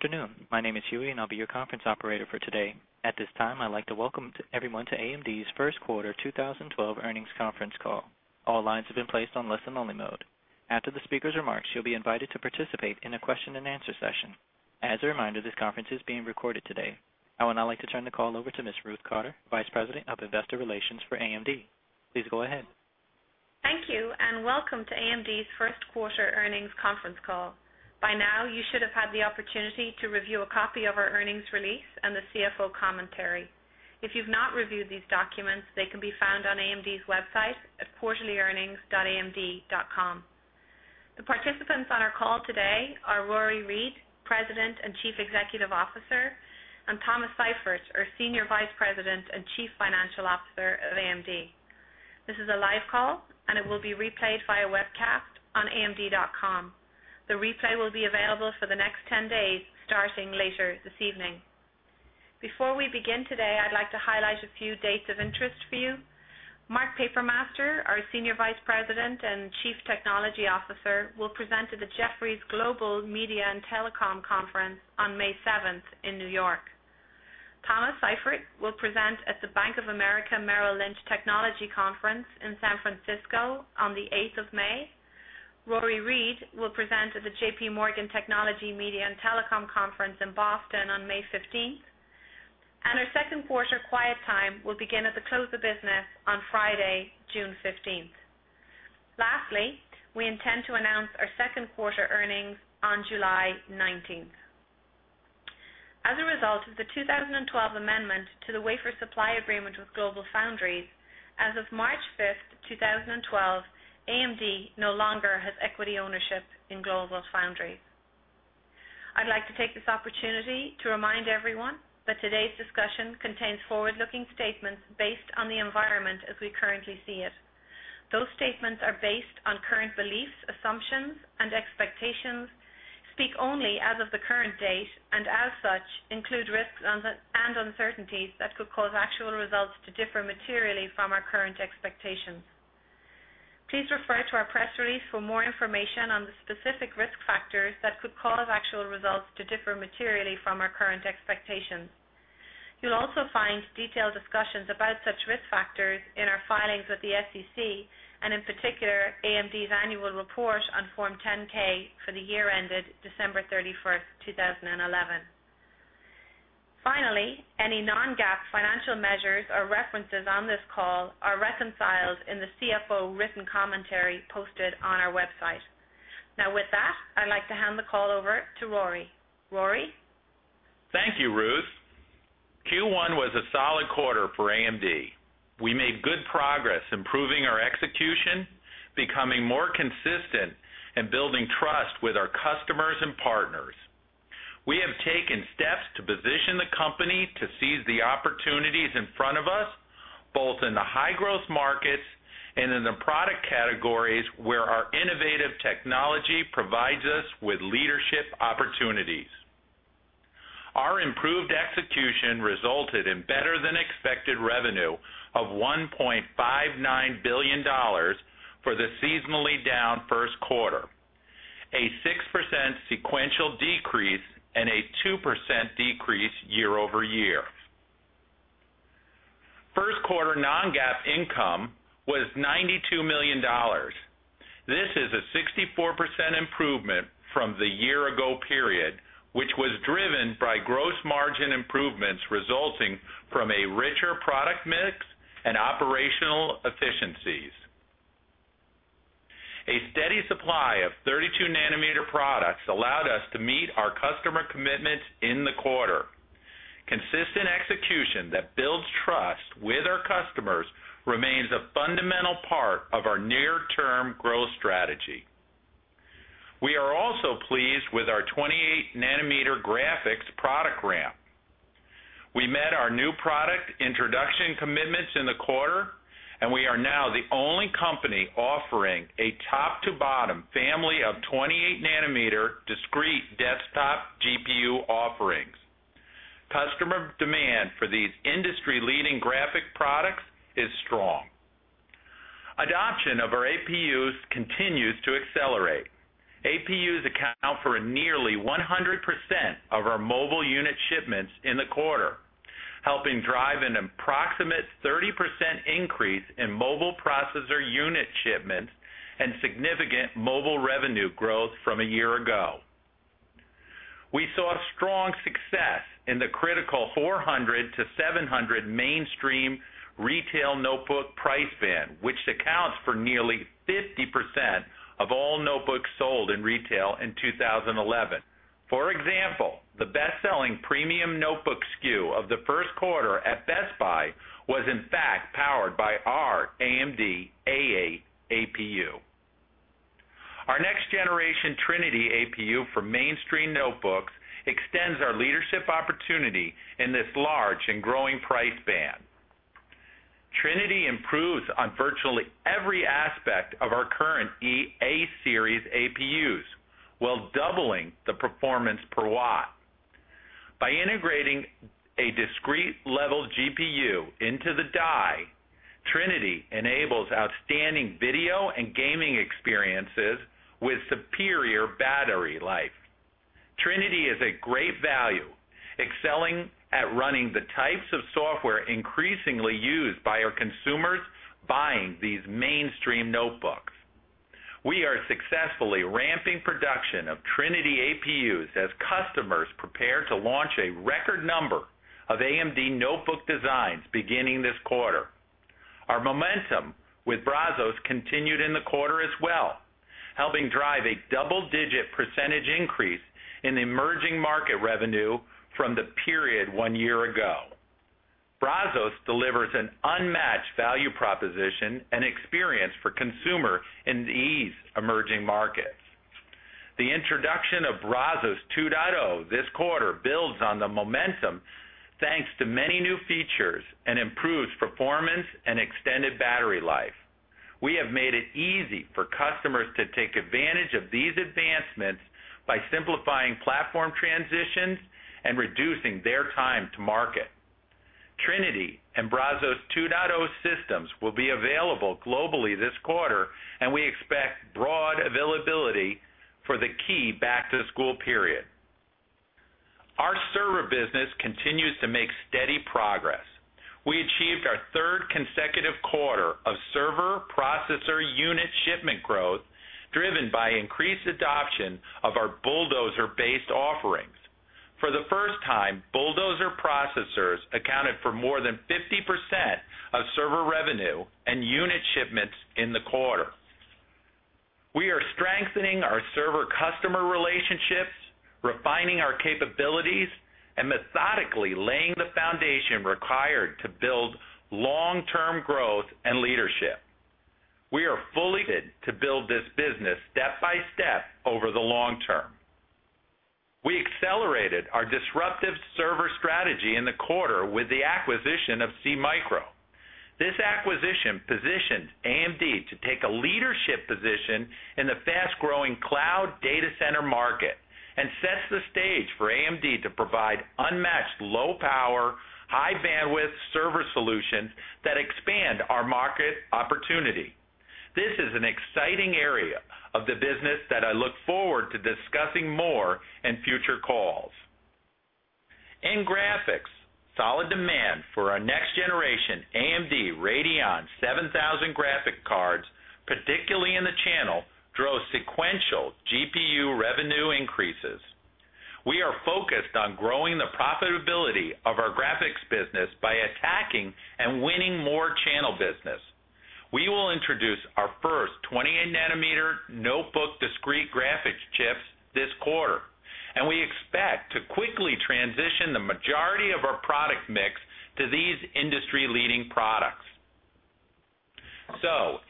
Good afternoon. My name is Huey, and I'll be your conference operator for today. At this time, I'd like to welcome everyone to AMD's First Quarter 2012 Earnings Conference Call. All lines have been placed on listen-only mode. After the speaker's remarks, you'll be invited to participate in a question and answer session. As a reminder, this conference is being recorded today. I would now like to turn the call over to Ms. Ruth Cotter, Vice President of Investor Relations for AMD. Please go ahead. Thank you, and welcome to AMD's First Quarter Earnings Conference Call. By now, you should have had the opportunity to review a copy of our earnings release and the CFO commentary. If you've not reviewed these documents, they can be found on AMD's website at quarterlyearnings.amd.com. The participants on our call today are Rory Read, President and Chief Executive Officer, and Thomas Seifert, our Senior Vice President and Chief Financial Officer of AMD. This is a live call, and it will be replayed via webcast on amd.com. The replay will be available for the next 10 days, starting later this evening. Before we begin today, I'd like to highlight a few dates of interest for you. Mark Papermaster, our Senior Vice President and Chief Technology Officer, will present at the Jefferies Global Media and Telecom Conference on May 7th in New York. Thomas Seifert will present at the Bank of America Merrill Lynch Technology Conference in San Francisco on the 8th of May. Rory Read will present at the JPMorgan Technology Media and Telecom Conference in Boston on May 15th. Our second quarter quiet time will begin at the close of business on Friday, June 15th. Lastly, we intend to announce our second quarter earnings on July 19th. As a result of the 2012 amendment to the wafer supply agreement with Global Foundries, as of March 5th, 2012, AMD no longer has equity ownership in Global Foundries. I'd like to take this opportunity to remind everyone that today's discussion contains forward-looking statements based on the environment as we currently see it. Those statements are based on current beliefs, assumptions, and expectations, speak only as of the current date, and as such, include risks and uncertainties that could cause actual results to differ materially from our current expectations. Please refer to our press release for more information on the specific risk factors that could cause actual results to differ materially from our current expectations. You'll also find detailed discussions about such risk factors in our filings with the SEC, and in particular, AMD's annual report on Form 10-K for the year ended December 31st, 2011. Any non-GAAP financial measures or references on this call are reconciled in the CFO written commentary posted on our website. Now, with that, I'd like to hand the call over to Rory. Rory? Thank you, Ruth. Q1 was a solid quarter for AMD. We made good progress improving our execution, becoming more consistent, and building trust with our customers and partners. We have taken steps to position the company to seize the opportunities in front of us, both in the high-growth markets and in the product categories where our innovative technology provides us with leadership opportunities. Our improved execution resulted in better-than-expected revenue of $1.59 billion for the seasonally down first quarter, a 6% sequential decrease and a 2% decrease year-over-year. First quarter non-GAAP net income was $92 million. This is a 64% improvement from the year-ago period, which was driven by gross margin improvements resulting from a richer product mix and operational efficiencies. A steady supply of 32-nm products allowed us to meet our customer commitments in the quarter. Consistent execution that builds trust with our customers remains a fundamental part of our near-term growth strategy. We are also pleased with our 28-nr graphics product ramp. We met our new product introduction commitments in the quarter, and we are now the only company offering a top-to-bottom family of 28-nr discrete desktop GPU offerings. Customer demand for these industry-leading graphics products is strong. Adoption of our APUs continues to accelerate. APUs account for nearly 100% of our mobile unit shipments in the quarter, helping drive an approximate 30% increase in mobile processor unit shipments and significant mobile revenue growth from a year ago. We saw strong success in the critical $400-$700 mainstream retail notebook price band, which accounts for nearly 50% of all notebooks sold in retail in 2011. For example, the best-selling premium notebook SKU of the first quarter at Best Buy was, in fact, powered by our AMD A-series APU. Our next-generation Trinity APU for mainstream notebooks extends our leadership opportunity in this large and growing price band. Trinity improves on virtually every aspect of our current A-series APUs, while doubling the performance per watt. By integrating a discrete level GPU into the die, Trinity enables outstanding video and gaming experiences with superior battery life. Trinity is a great value, excelling at running the types of software increasingly used by our consumers buying these mainstream notebooks. We are successfully ramping production of Trinity APUs as customers prepare to launch a record number of AMD notebook designs beginning this quarter. Our momentum with Brazos continued in the quarter as well, helping drive a double-digit percentage increase in the emerging market revenue from the period one year ago. Brazos delivers an unmatched value proposition and experience for consumers in these emerging markets. The introduction of Brazos 2.0 this quarter builds on the momentum thanks to many new features and improves performance and extended battery life. We have made it easy for customers to take advantage of these advancements by simplifying platform transitions and reducing their time to market. Trinity and Brazos 2.0 systems will be available globally this quarter, and we expect broad availability for the key back-to-school period. Our server business continues to make steady progress. We achieved our third consecutive quarter of server processor unit shipment growth, driven by increased adoption of our bulldozer-based offerings. For the first time, bulldozer processors accounted for more than 50% of server revenue and unit shipments in the quarter. We are strengthening our server-customer relationships, refining our capabilities, and methodically laying the foundation required to build long-term growth and leadership. We are fully committed to build this business step by step over the long term. We accelerated our disruptive server strategy in the quarter with the acquisition of SeaMicro. This acquisition positions AMD to take a leadership position in the fast-growing cloud data center market and sets the stage for AMD to provide unmatched low-power, high-bandwidth server solutions that expand our market opportunity. This is an exciting area of the business that I look forward to discussing more in future calls. In graphics, solid demand for our next-generation AMD Radeon 7000 graphic cards, particularly in the channel, drove sequential GPU revenue increases. We are focused on growing the profitability of our graphics business by attacking and winning more channel business. We will introduce our first 28-nr notebook discrete graphics chips this quarter, and we expect to quickly transition the majority of our product mix to these industry-leading products.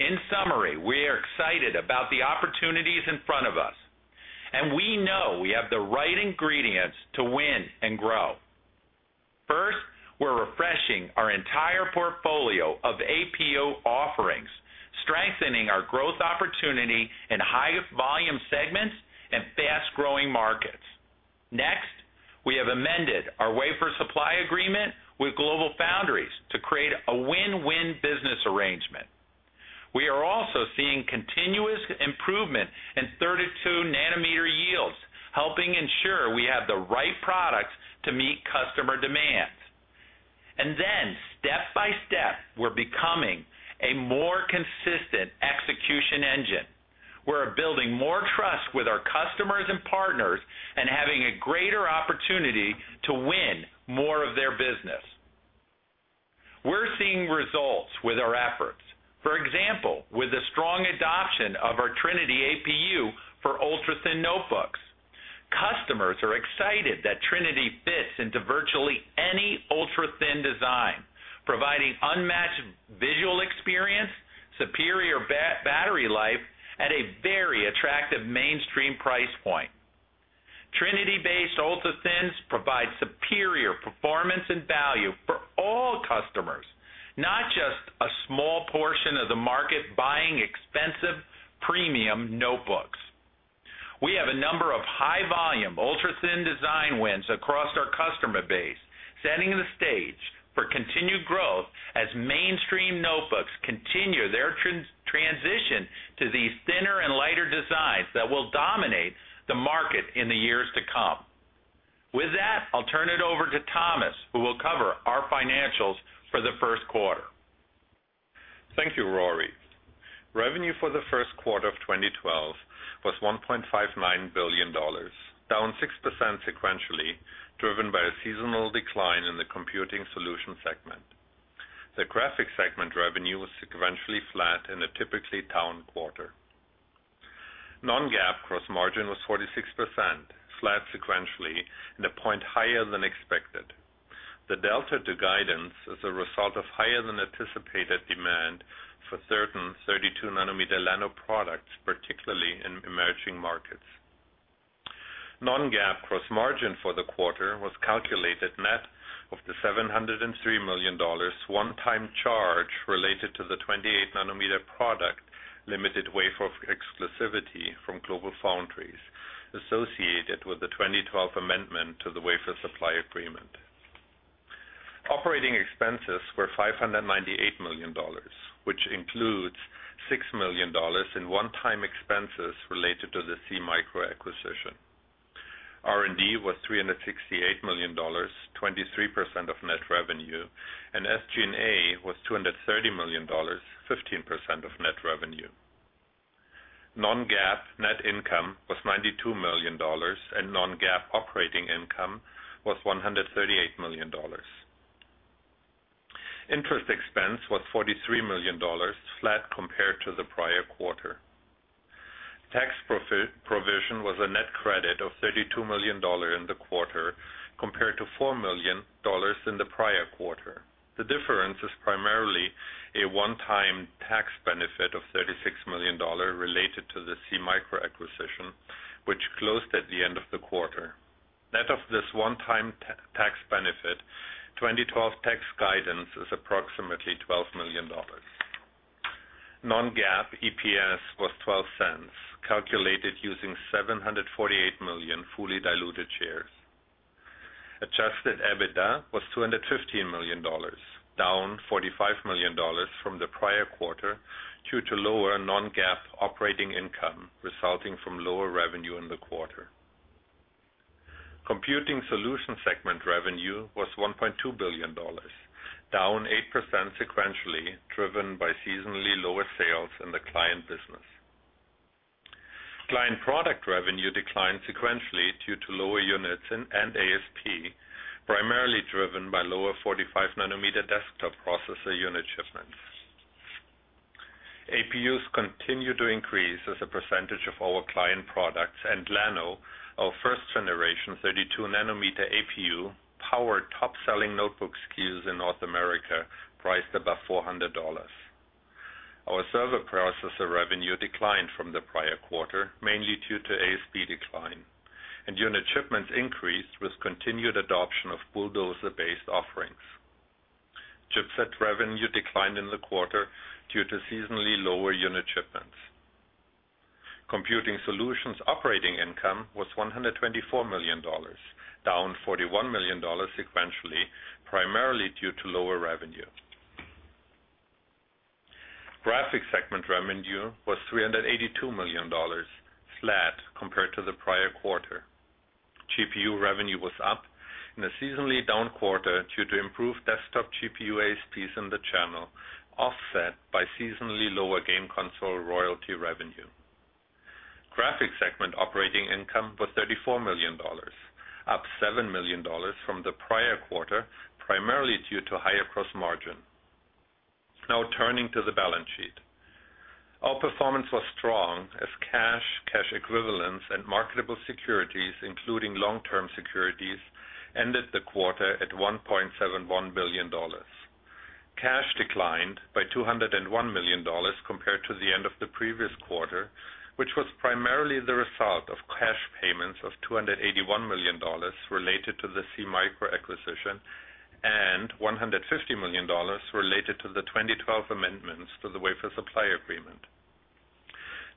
In summary, we are excited about the opportunities in front of us, and we know we have the right ingredients to win and grow. First, we're refreshing our entire portfolio of APU offerings, strengthening our growth opportunity in high-volume segments and fast-growing markets. Next, we have amended our wafer supply agreement with Global Foundries to create a win-win business arrangement. We are also seeing continuous improvement in 32-nr yields, helping ensure we have the right products to meet customer demands. Step by step, we're becoming a more consistent execution engine. We're building more trust with our customers and partners and having a greater opportunity to win more of their business. We're seeing results with our efforts. For example, with the strong adoption of our Trinity APU for ultra-thin notebooks. Customers are excited that Trinity fits into virtually any ultra-thin design, providing unmatched visual experience, superior battery life, and a very attractive mainstream price point. Trinity-based ultra-thins provide superior performance and value for all customers, not just a small portion of the market buying expensive premium notebooks. We have a number of high-volume ultra-thin design wins across our customer base, setting the stage for continued growth as mainstream notebooks continue their transition to these thinner and lighter designs that will dominate the market in the years to come. With that, I'll turn it over to Thomas, who will cover our financials for the first quarter. Thank you, Rory. Revenue for the first quarter of 2012 was $1.59 billion, down 6% sequentially, driven by a seasonal decline in the computing solutions segment. The graphics segment revenue was sequentially flat in a typically down quarter. Non-GAAP gross margin was 46%, flat sequentially, and a point higher than expected. The delta to guidance is a result of higher than anticipated demand for certain 32-nr products, particularly in emerging markets. Non-GAAP gross margin for the quarter was calculated at the $703 million one-time charge related to the 28-nr product limited wafer exclusivity from GlobalFoundries, associated with the 2012 amendment to the wafer supply agreement. Operating expenses were $598 million, which includes $6 million in one-time expenses related to the SeaMicro acquisition. R&D was $368 million, 23% of net revenue, and SG&A was $230 million, 15% of net revenue. Non-GAAP net income was $92 million, and non-GAAP operating income was $138 million. Interest expense was $43 million, flat compared to the prior quarter. Tax provision was a net credit of $32 million in the quarter, compared to $4 million in the prior quarter. The difference is primarily a one-time tax benefit of $36 million related to the SeaMicro acquisition, which closed at the end of the quarter. That of this one-time tax benefit, 2012 tax guidance is approximately $12 million. Non-GAAP EPS was $0.12, calculated using 748 million fully diluted shares. Adjusted EBITDA was $215 million, down $45 million from the prior quarter due to lower non-GAAP operating income resulting from lower revenue in the quarter. Computing solutions segment revenue was $1.2 billion, down 8% sequentially, driven by seasonally lower sales in the client business. Client product revenue declined sequentially due to lower units and ASP, primarily driven by lower 45-nr desktop processor unit shipments. APUs continue to increase as a percentage of our client products and Brazos, our first-generation 32-nr APU, powered top-selling notebook SKUs in North America priced above $400. Our server processor revenue declined from the prior quarter, mainly due to ASP decline, and unit shipments increased with continued adoption of Bulldozer-based offerings. Chipset revenue declined in the quarter due to seasonally lower unit shipments. Computing solutions operating income was $124 million, down $41 million sequentially, primarily due to lower revenue. Graphics segment revenue was $382 million, flat compared to the prior quarter. GPU revenue was up in a seasonally down quarter due to improved desktop GPU ASPs in the channel, offset by seasonally lower game console royalty revenue. Graphics segment operating income was $34 million, up $7 million from the prior quarter, primarily due to higher gross margin. Now turning to the balance sheet. Our performance was strong as cash, cash equivalents, and marketable securities, including long-term securities, ended the quarter at $1.71 billion. Cash declined by $201 million compared to the end of the previous quarter, which was primarily the result of cash payments of $281 million related to the SeaMicro acquisition and $150 million related to the 2012 amendments to the wafer supply agreement.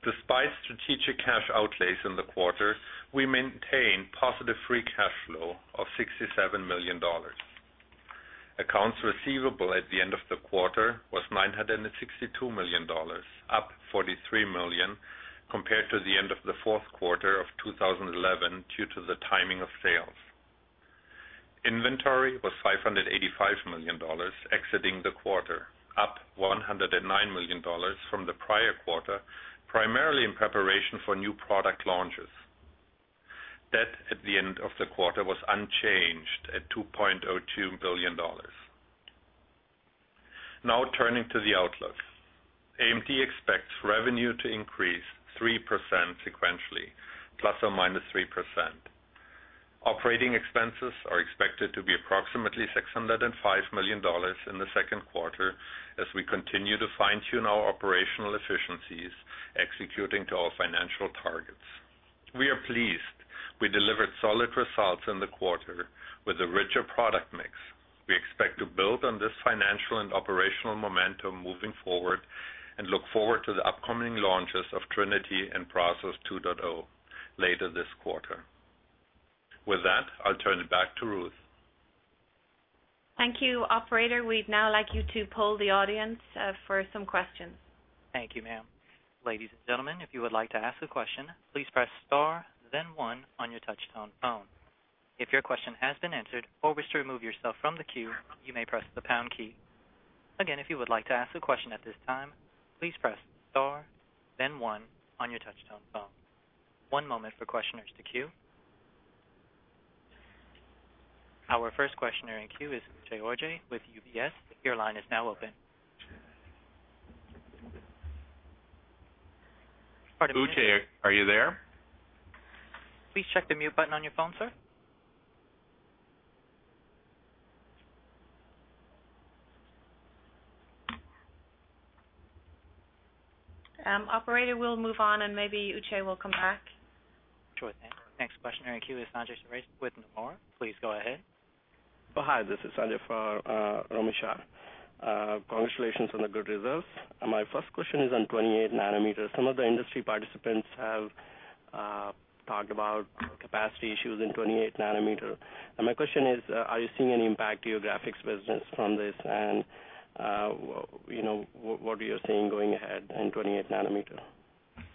Despite strategic cash outlays in the quarter, we maintained positive free cash flow of $67 million. Accounts receivable at the end of the quarter were $962 million, up $43 million compared to the end of the fourth quarter of 2011 due to the timing of sales. Inventory was $585 million exiting the quarter, up $109 million from the prior quarter, primarily in preparation for new product launches. Debt at the end of the quarter was unchanged at $2.02 billion. Now turning to the outlook. AMD expects revenue to increase 3% sequentially, ±3%. Operating expenses are expected to be approximately $605 million in the second quarter as we continue to fine-tune our operational efficiencies, executing to our financial targets. We are pleased we delivered solid results in the quarter with a richer product mix. We expect to build on this financial and operational momentum moving forward and look forward to the upcoming launches of Trinity and Brazos 2.0 later this quarter. With that, I'll turn it back to Ruth. Thank you, Operator. We'd now like you to poll the audience for some questions. Thank you, ma'am. Ladies and gentlemen, if you would like to ask a question, please press star, then one on your touch-tone phone. If your question has been answered or wish to remove yourself from the queue, you may press the pound key. Again, if you would like to ask a question at this time, please press star, then one on your touch-tone phone. One moment for questioners to queue. Our first questioner in queue is Uche Orji with UBS. The queue line is now open. Uche, are you there? Please check the mute button on your phone, sir. We will move on, and maybe Uche will come back. Sure, thanks. Next questioner in queue is Sanjay Chaurasia with Nomura. Please go ahead. Hi, this is Sanjay for Ramesh. Congratulations on the good results. My first question is on 28-nr. Some of the industry participants have talked about capacity issues in 28-nr. My question is, are you seeing any impact to your graphics business from this? What are you seeing going ahead in 28-nr?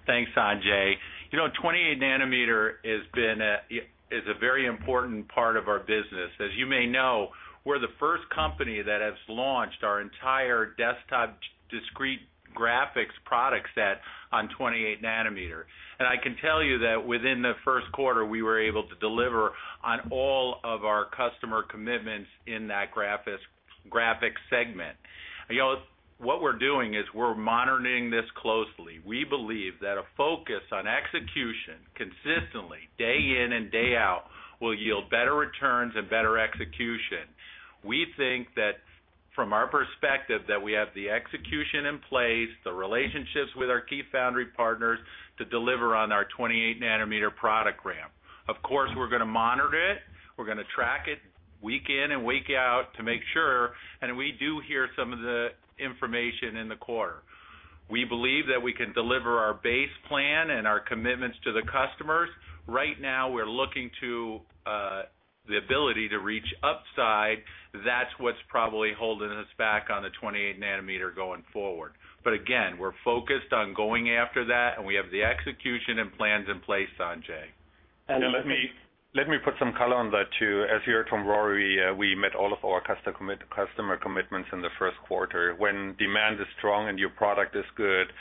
Thanks, Sanjay. You know, 28-nr has been a very important part of our business. As you may know, we're the first company that has launched our entire desktop discrete graphics product set on 28-nr. I can tell you that within the first quarter, we were able to deliver on all of our customer commitments in that graphics segment. What we're doing is we're monitoring this closely. We believe that a focus on execution consistently, day in and day out, will yield better returns and better execution. We think that from our perspective, we have the execution in place, the relationships with our key foundry partners to deliver on our 28-nr product ramp. Of course, we're going to monitor it. We're going to track it week in and week out to make sure, and we do hear some of the information in the quarter. We believe that we can deliver our base plan and our commitments to the customers. Right now, we're looking to the ability to reach upside. That's what's probably holding us back on the 28-nr going forward. Again, we're focused on going after that, and we have the execution and plans in place, Sanjay. Let me put some color on that, too. As you heard from Rory, we met all of our customer commitments in the first quarter. When demand is strong and your product is good,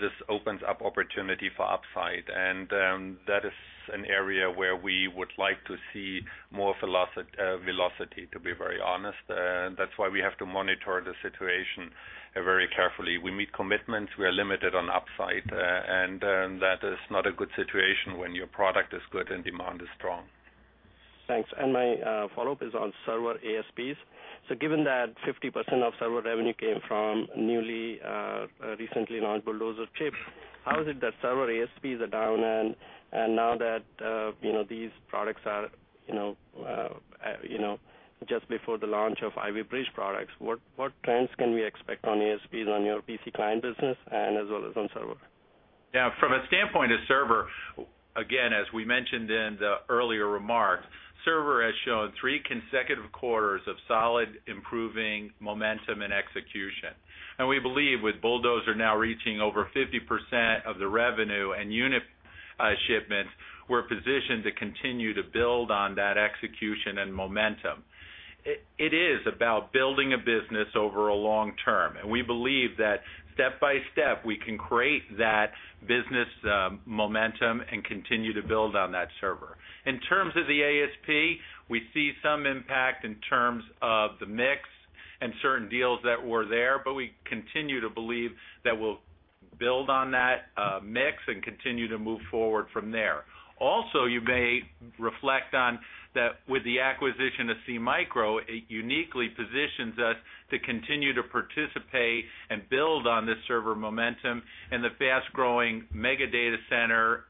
this opens up opportunity for upside. That is an area where we would like to see more velocity, to be very honest. That is why we have to monitor the situation very carefully. We meet commitments. We are limited on upside. That is not a good situation when your product is good and demand is strong. Thanks. My follow-up is on server ASPs. Given that 50% of server revenue came from newly recently launched Bulldozer chips, how is it that server ASPs are down? Now that these products are just before the launch of Ivy Bridge products, what trends can we expect on ASPs on your PC client business, as well as on server? Yeah, from a standpoint of server, as we mentioned in the earlier remarks, server has shown three consecutive quarters of solid improving momentum and execution. We believe with Bulldozer now reaching over 50% of the revenue and unit shipments, we're positioned to continue to build on that execution and momentum. It is about building a business over the long term. We believe that step by step, we can create that business momentum and continue to build on that server. In terms of the ASP, we see some impact in terms of the mix and certain deals that were there, but we continue to believe that we'll build on that mix and continue to move forward from there. Also, you may reflect on that with the acquisition of SeaMicro, it uniquely positions us to continue to participate and build on the server momentum and the fast-growing mega data center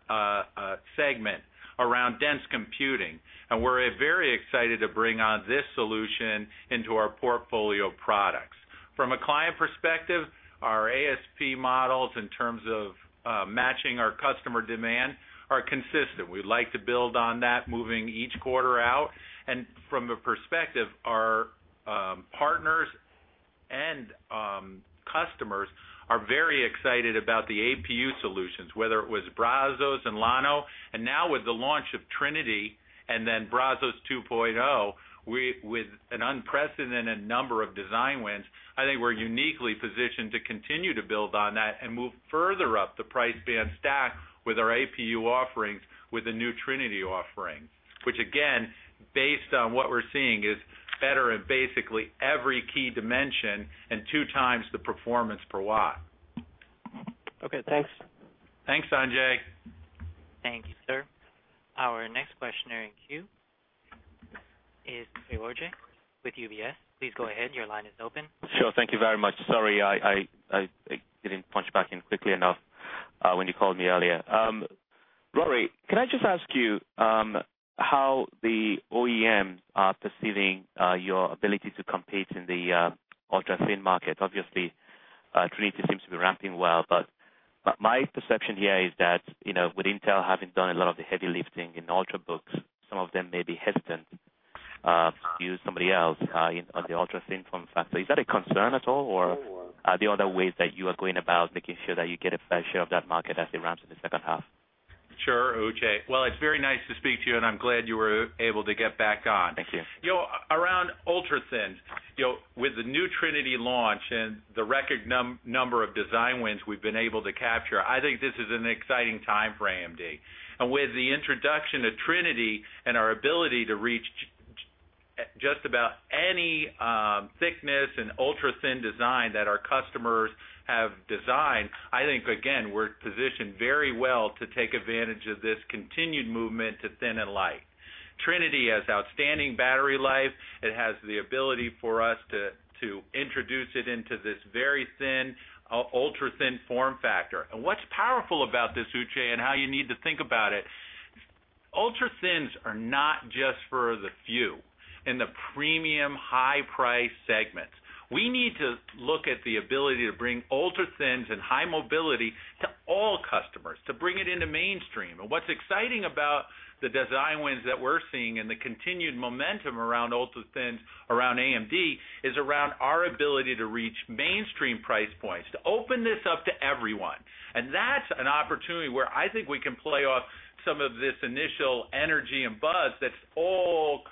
segment around dense computing. We're very excited to bring on this solution into our portfolio products. From a client perspective, our ASP models in terms of matching our customer demand are consistent. We'd like to build on that, moving each quarter out. From a perspective, our partners and customers are very excited about the APU solutions, whether it was Brazos and Llano. Now with the launch of Trinity and then Brazos 2.0, with an unprecedented number of design wins, I think we're uniquely positioned to continue to build on that and move further up the price band stack with our APU offerings with a new Trinity offering, which again, based on what we're seeing, is better in basically every key dimension and two times the performance per watt. OK, thanks. Thanks, Sanjay. Thank you, sir. Our next questioner in queue is Uche Orji with UBS. Please go ahead. Your line is open. Sure, thank you very much. Sorry, I didn't punch back in quickly enough when you called me earlier. Rory, can I just ask you how the OEM are perceiving your ability to compete in the ultra-thin market? Obviously, Trinity seems to be ramping well. My perception here is that with Intel having done a lot of the heavy lifting in ultrabooks, some of them may be hesitant to use somebody else on the ultra-thin form factor. Is that a concern at all? Are there other ways that you are going about making sure that you get a fair share of that market as it ramps in the second half? Sure, Uche. It's very nice to speak to you, and I'm glad you were able to get back on. Thank you. You know, around ultra-thins, with the new Trinity launch and the record number of design wins we've been able to capture, I think this is an exciting time for AMD. With the introduction of Trinity and our ability to reach just about any thickness and ultra-thin design that our customers have designed, I think, again, we're positioned very well to take advantage of this continued movement to thin and light. Trinity has outstanding battery life. It has the ability for us to introduce it into this very thin, ultra-thin form factor. What's powerful about this, Uche, and how you need to think about it, ultra-thins are not just for the few in the premium high-price segments. We need to look at the ability to bring ultra-thins and high mobility to all customers, to bring it into mainstream. What's exciting about the design wins that we're seeing and the continued momentum around ultra-thins around AMD is around our ability to reach mainstream price points, to open this up to everyone. That's an opportunity where I think we can play off some of this initial energy and buzz that's all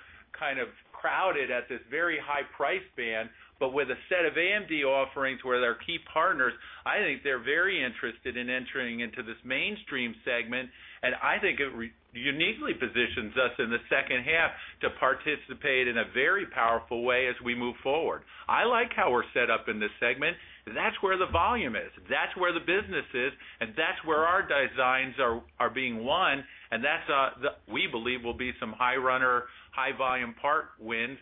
kind of crowded at this very high price band. With a set of AMD offerings where they're key partners, I think they're very interested in entering into this mainstream segment. I think it uniquely positions us in the second half to participate in a very powerful way as we move forward. I like how we're set up in this segment. That's where the volume is. That's where the business is. That's where our designs are being won. That's the, we believe, will be some high-runner, high-volume part wins.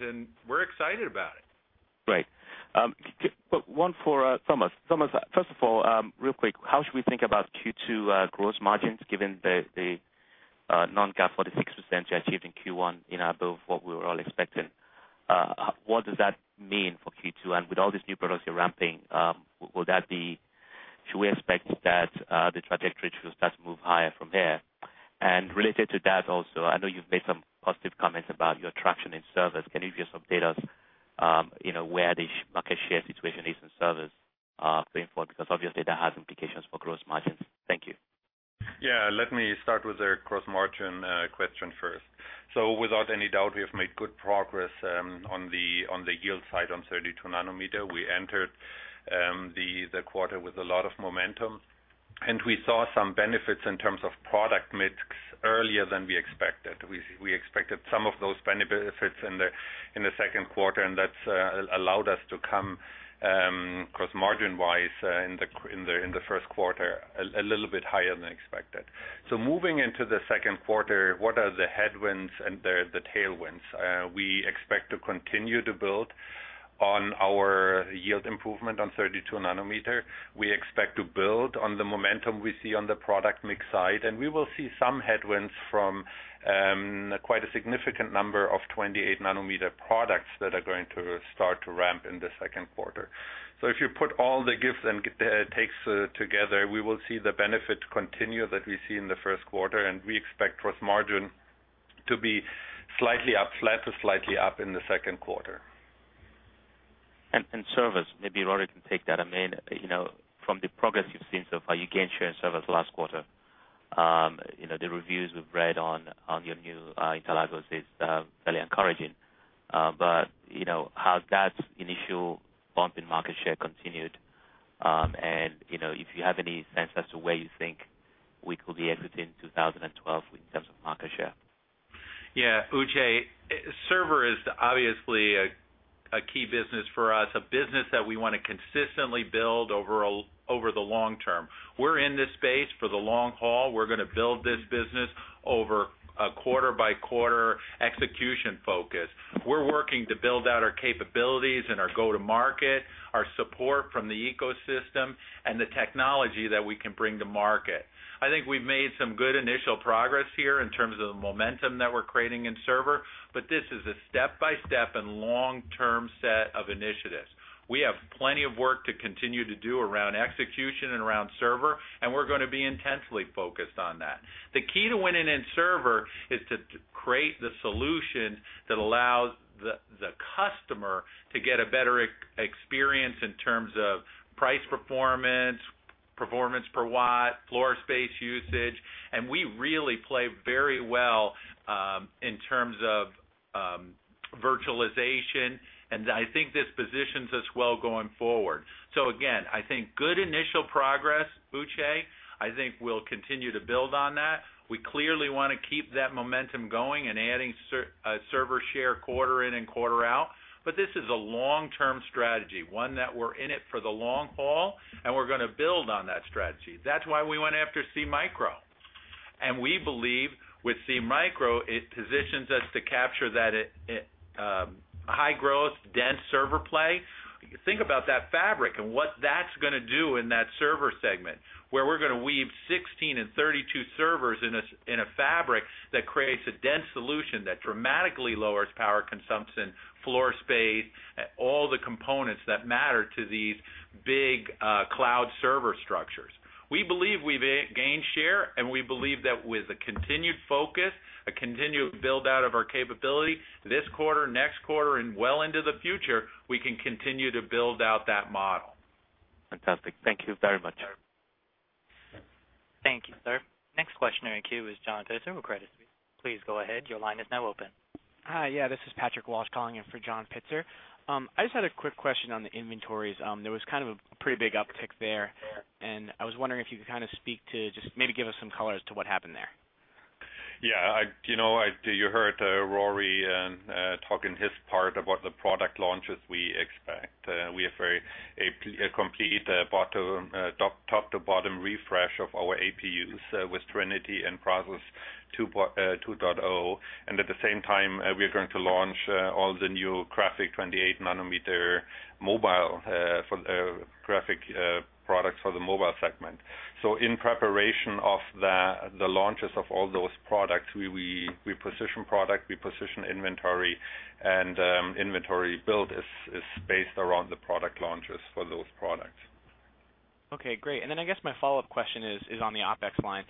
We're excited about it. Right. One for Thomas. Thomas, first of all, real quick, how should we think about Q2 gross margins given the non-GAAP 46% you achieved in Q1 and above what we were all expecting? What does that mean for Q2? With all these new products you're ramping, should we expect that the trajectory should start to move higher from here? Related to that also, I know you've made some positive comments about your traction in servers. Can you give us some data on where the market share situation is in servers going forward? Obviously, that has implications for gross margins. Thank you. Yeah, let me start with the gross margin question first. Without any doubt, we have made good progress on the yield side on 32-nr. We entered the quarter with a lot of momentum, and we saw some benefits in terms of product mix earlier than we expected. We expected some of those benefits in the second quarter, and that's allowed us to come gross margin-wise in the first quarter a little bit higher than expected. Moving into the second quarter, what are the headwinds and the tailwinds? We expect to continue to build on our yield improvement on 32-nr. We expect to build on the momentum we see on the product mix side. We will see some headwinds from quite a significant number of 28-nr products that are going to start to ramp in the second quarter. If you put all the gifts and takes together, we will see the benefit continue that we see in the first quarter, and we expect gross margin to be flat to slightly up in the second quarter. Servers, maybe Rory can take that. From the progress you've seen so far, you gained share in servers last quarter. The reviews we've read on your new Intel I/Os are fairly encouraging. Has that initial bump in market share continued? If you have any sense as to where you think we could be exiting 2012 in terms of market share. Yeah, Uche, server is obviously a key business for us, a business that we want to consistently build over the long term. We're in this space for the long haul. We're going to build this business over a quarter-by-quarter execution focus. We're working to build out our capabilities and our go-to-market, our support from the ecosystem, and the technology that we can bring to market. I think we've made some good initial progress here in terms of the momentum that we're creating in server. This is a step-by-step and long-term set of initiatives. We have plenty of work to continue to do around execution and around server. We're going to be intensely focused on that. The key to winning in server is to create the solution that allows the customer to get a better experience in terms of price performance, performance per watt, floor space usage. We really play very well in terms of virtualization. I think this positions us well going forward. Again, I think good initial progress, Uche. I think we'll continue to build on that. We clearly want to keep that momentum going and adding server share quarter in and quarter out. This is a long-term strategy, one that we're in it for the long haul. We're going to build on that strategy. That's why we went after SeaMicro. We believe with SeaMicro, it positions us to capture that high-growth, dense server play. Think about that fabric and what that's going to do in that server segment, where we're going to weave 16 and 32 servers in a fabric that creates a dense solution that dramatically lowers power consumption, floor space, and all the components that matter to these big cloud server structures. We believe we've gained share. We believe that with a continued focus, a continued build-out of our capability this quarter, next quarter, and well into the future, we can continue to build out that model. Fantastic. Thank you very much. Thank you, sir. Next questioner in queue is John Pitzer with Credit Suisse. Please go ahead. Your line is now open. Hi, yeah, this is Patrick Walsh calling in for John Pitzer. I just had a quick question on the inventories. There was kind of a pretty big uptick there. I was wondering if you could kind of speak to just maybe give us some color as to what happened there. Yeah, you know, you heard Rory talking his part about the product launches we expect. We have a complete top-to-bottom refresh of our APUs with Trinity and Brazos 2.0. At the same time, we are going to launch all the new 28-nr mobile graphic products for the mobile segment. In preparation of the launches of all those products, we position product, we position inventory, and inventory build is based around the product launches for those products. OK, great. I guess my follow-up question is on the OpEx line.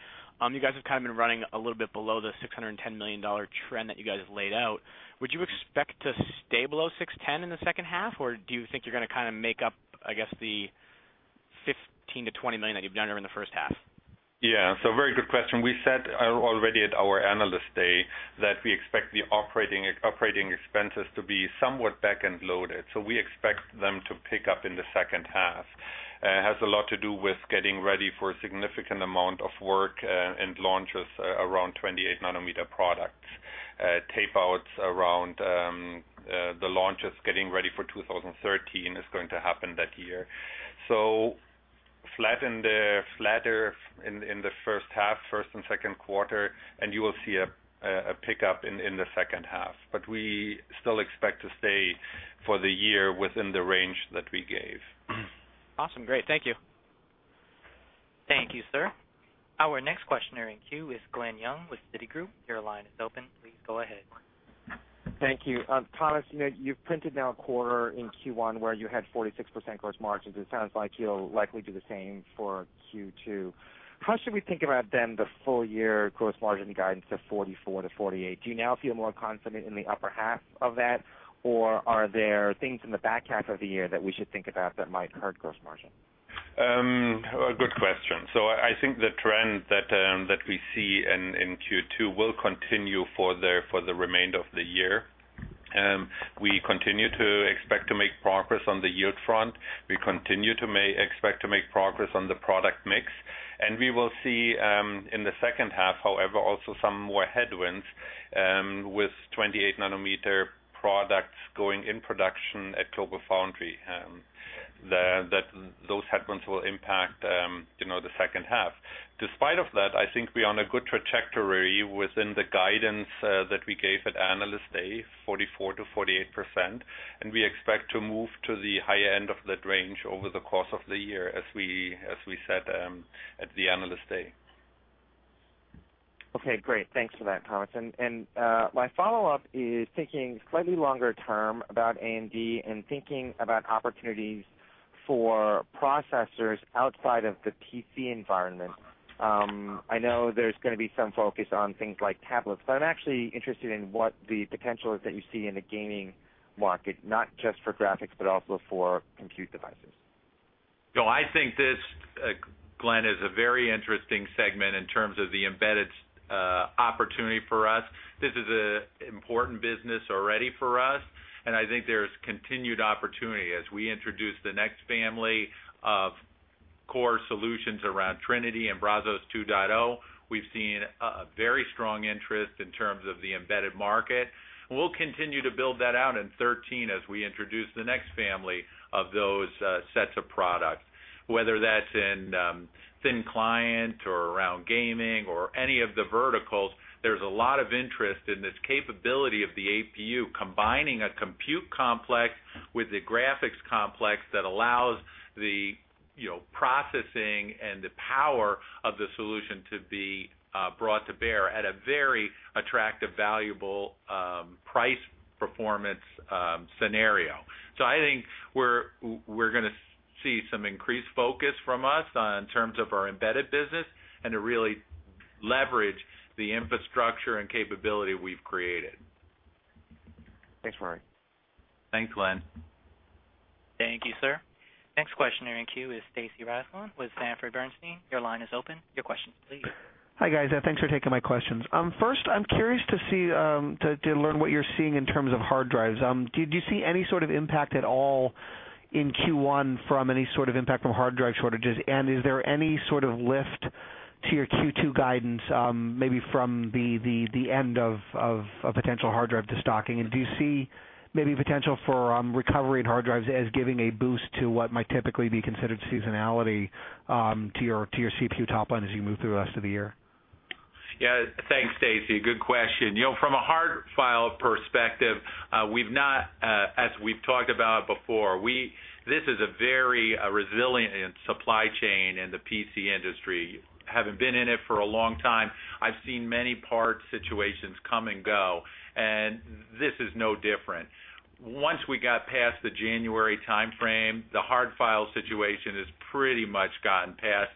You guys have kind of been running a little bit below the $610 million trend that you guys laid out. Would you expect to stay below $610 million in the second half? Do you think you're going to kind of make up, I guess, the $15 million-$20 million that you've done over in the first half? Yeah, very good question. We said already at our Analyst Day that we expect the operating expenses to be somewhat back-end loaded. We expect them to pick up in the second half. It has a lot to do with getting ready for a significant amount of work and launches around 28-nr products. Tapeouts around the launches getting ready for 2013 is going to happen that year. Flatter in the first half, first and second quarter, and you will see a pickup in the second half. We still expect to stay for the year within the range that we gave. Awesome, great. Thank you. Thank you, sir. Our next questioner in queue is Glen Yeung with Citigroup. Your line is open. Please go ahead. Thank you. Thomas, you've printed now a quarter in Q1 where you had 46% gross margins. It sounds like you'll likely do the same for Q2. How should we think about then the full year gross margin guidance of 44%-48%? Do you now feel more confident in the upper half of that? Are there things in the back half of the year that we should think about that might hurt gross margin? Good question. I think the trend that we see in Q2 will continue for the remainder of the year. We continue to expect to make progress on the yield front. We continue to expect to make progress on the product mix. We will see in the second half, however, also some more headwinds with 28-nr products going in production at Global Foundry. Those headwinds will impact the second half. Despite all that, I think we're on a good trajectory within the guidance that we gave at Analyst Day, 44%-48%. We expect to move to the higher end of that range over the course of the year, as we said at Analyst Day. OK, great. Thanks for that, Thomas. My follow-up is thinking slightly longer term about AMD and thinking about opportunities for processors outside of the PC environment. I know there's going to be some focus on things like tablets. I'm actually interested in what the potential is that you see in the gaming market, not just for graphics, but also for compute devices. No, I think this, Glen, is a very interesting segment in terms of the embedded opportunity for us. This is an important business already for us. I think there's continued opportunity as we introduce the next family of core solutions around Trinity and Brazos 2.0. We've seen a very strong interest in terms of the embedded market, and we'll continue to build that out in 2013 as we introduce the next family of those sets of products. Whether that's in thin client or around gaming or any of the verticals, there's a lot of interest in this capability of the APU combining a compute complex with a graphics complex that allows the processing and the power of the solution to be brought to bear at a very attractive, valuable price performance scenario. I think we're going to see some increased focus from us in terms of our embedded business and to really leverage the infrastructure and capability we've created. Thanks, Rory. Thanks, Glen. Thank you, sir. Next questioner in queue is Stacy Rasgon with Sanford Bernstein. Your line is open. Your questions, please. Hi, guys. Thanks for taking my questions. First, I'm curious to learn what you're seeing in terms of hard drives. Did you see any sort of impact at all in Q1 from any sort of impact from hard drive shortages? Is there any sort of lift to your Q2 guidance, maybe from the end of a potential hard drive destocking? Do you see maybe potential for recovery in hard drives as giving a boost to what might typically be considered seasonality to your CPU top line as you move through the rest of the year? Yeah, thanks, Stacy. Good question. From a hard file perspective, we've not, as we've talked about before, this is a very resilient supply chain in the PC industry. Having been in it for a long time, I've seen many parts situations come and go. This is no different. Once we got past the January time frame, the hard file situation has pretty much gotten past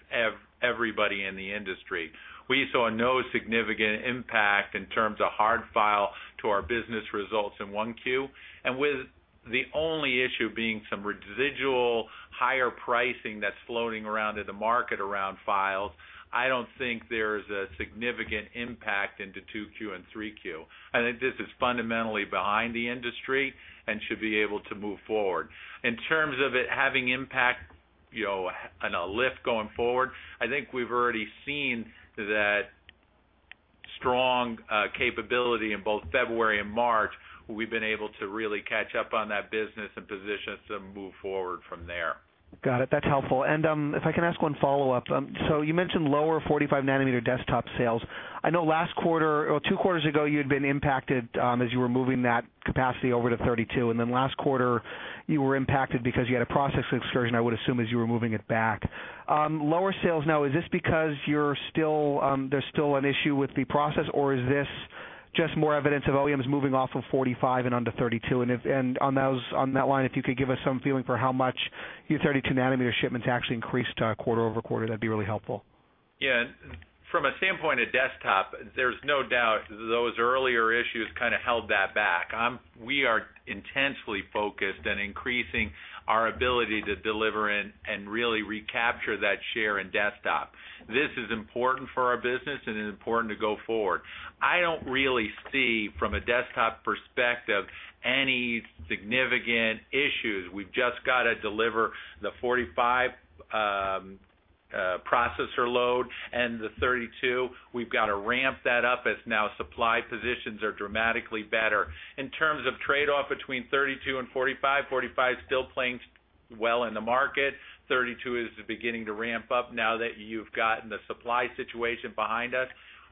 everybody in the industry. We saw no significant impact in terms of hard file to our business results in Q1, with the only issue being some residual higher pricing that's floating around in the market around files. I don't think there is a significant impact into Q2 and Q3. I think this is fundamentally behind the industry and should be able to move forward. In terms of it having impact and a lift going forward, I think we've already seen that strong capability in both February and March. We've been able to really catch up on that business and position us to move forward from there. Got it. That's helpful. If I can ask one follow-up. You mentioned lower 45-nr desktop sales. I know last quarter, or two quarters ago, you had been impacted as you were moving that capacity over to 32. Last quarter, you were impacted because you had a process excursion, I would assume, as you were moving it back. Lower sales now, is this because there's still an issue with the process? Is this just more evidence of OEMs moving off of 45 and onto 32? On that line, if you could give us some feeling for how much your 32-nr shipments actually increased quarter-over-quarter, that'd be really helpful. Yeah, from a standpoint of desktop, there's no doubt those earlier issues kind of held that back. We are intensely focused on increasing our ability to deliver and really recapture that share in desktop. This is important for our business and important to go forward. I don't really see, from a desktop perspective, any significant issues. We've just got to deliver the 45 processor load and the 32. We've got to ramp that up as now supply positions are dramatically better. In terms of trade-off between 32 and 45, 45 is still playing well in the market. 32 is beginning to ramp up now that you've gotten the supply situation behind us.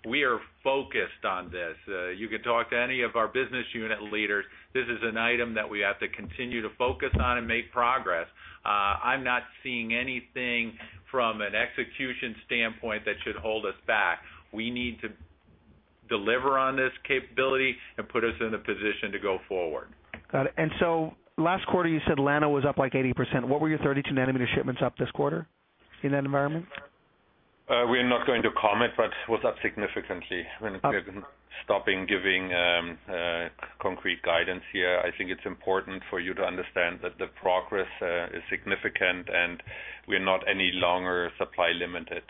We are focused on this. You can talk to any of our business unit leaders. This is an item that we have to continue to focus on and make progress. I'm not seeing anything from an execution standpoint that should hold us back. We need to deliver on this capability and put us in a position to go forward. Got it. Last quarter, you said Llano was up like 80%. What were your 32-nr shipments up this quarter? Seeing that environment? We're not going to comment, but it was up significantly. I'm stopping giving concrete guidance here. I think it's important for you to understand that the progress is significant. We're not any longer supply limited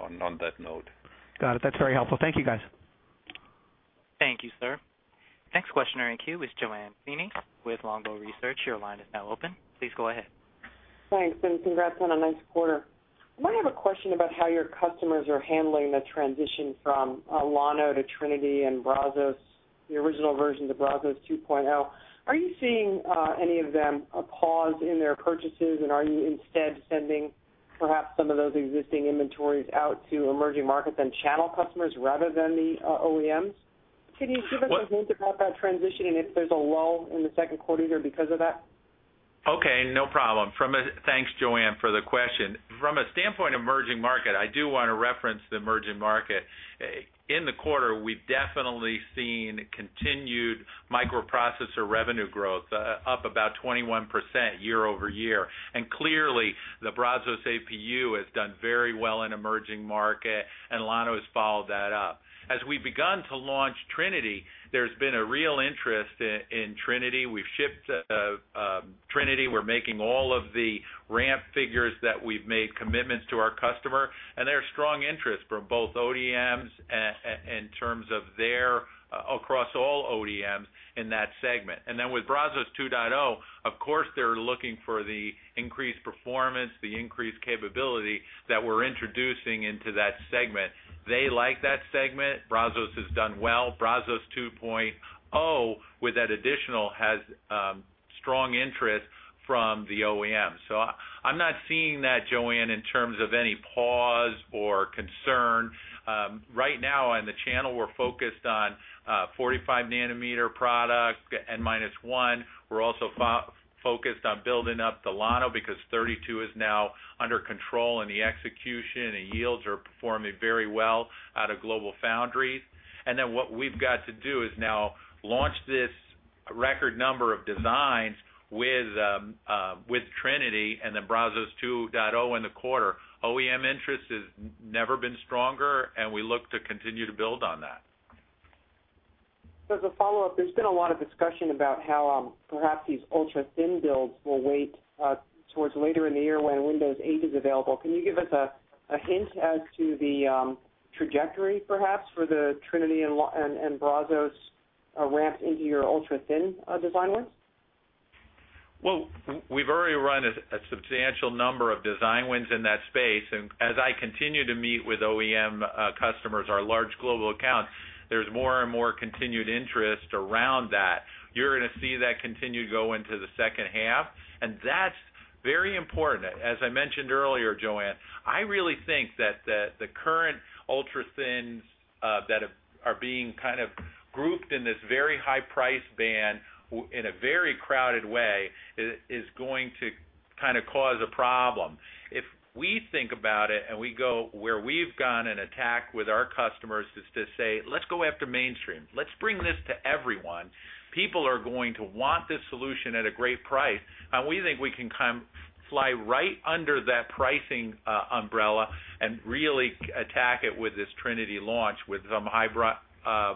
on that note. Got it. That's very helpful. Thank you, guys. Thank you, sir. Next questioner in queue is JoAnne Feeney with Longbow Research. Your line is now open. Please go ahead. Thanks, and congrats on a nice quarter. I have a question about how your customers are handling the transition from Llano to Trinity and Brazos, the original version to Brazos 2.0. Are you seeing any of them pause in their purchases? Are you instead sending perhaps some of those existing inventories out to emerging markets and channel customers rather than the OEMs? Can you give us a hint about that transition and if there's a lull in the second quarter either because of that? OK, no problem. Thanks JoAnne for the question. From a standpoint of emerging market, I do want to reference the emerging market. In the quarter, we've definitely seen continued microprocessor revenue growth up about 21% year-over-year. Clearly, the Brazos APU has done very well in the emerging market. Lano has followed that up. As we've begun to launch Trinity, there's been a real interest in Trinity. We've shipped Trinity. We're making all of the ramp figures that we've made commitments to our customer. There's strong interest from both OEMs in terms of their across all OEMs in that segment. With Brazos 2.0, of course, they're looking for the increased performance, the increased capability that we're introducing into that segment. They like that segment. Brazos has done well. Brazos 2.0 with that additional has strong interest from the OEMs. I'm not seeing that, JoAnne, in terms of any pause or concern. Right now, in the channel, we're focused on 45-nr product and minus one. We're also focused on building up the Llano because 32 is now under control. The execution and yields are performing very well out of Global Foundries. What we've got to do is now launch this record number of designs with Trinity and then Brazos 2.0 in the quarter. OEM interest has never been stronger. We look to continue to build on that. As a follow-up, there's been a lot of discussion about how perhaps these ultra-thin builds will wait towards later in the year when Windows 8 is available. Can you give us a hint as to the trajectory perhaps for the Trinity and Brazos ramp into your ultra-thin design wins? We have already run a substantial number of design wins in that space. As I continue to meet with OEM customers, our large global accounts, there is more and more continued interest around that. You are going to see that continue to go into the second half, and that is very important. As I mentioned earlier, JoAnne, I really think that the current ultra-thins that are being kind of grouped in this very high price band in a very crowded way is going to kind of cause a problem. If we think about it and we go where we have gone and attack with our customers, it is to say, let's go after mainstream. Let's bring this to everyone. People are going to want this solution at a great price, and we think we can kind of fly right under that pricing umbrella and really attack it with this Trinity launch with some high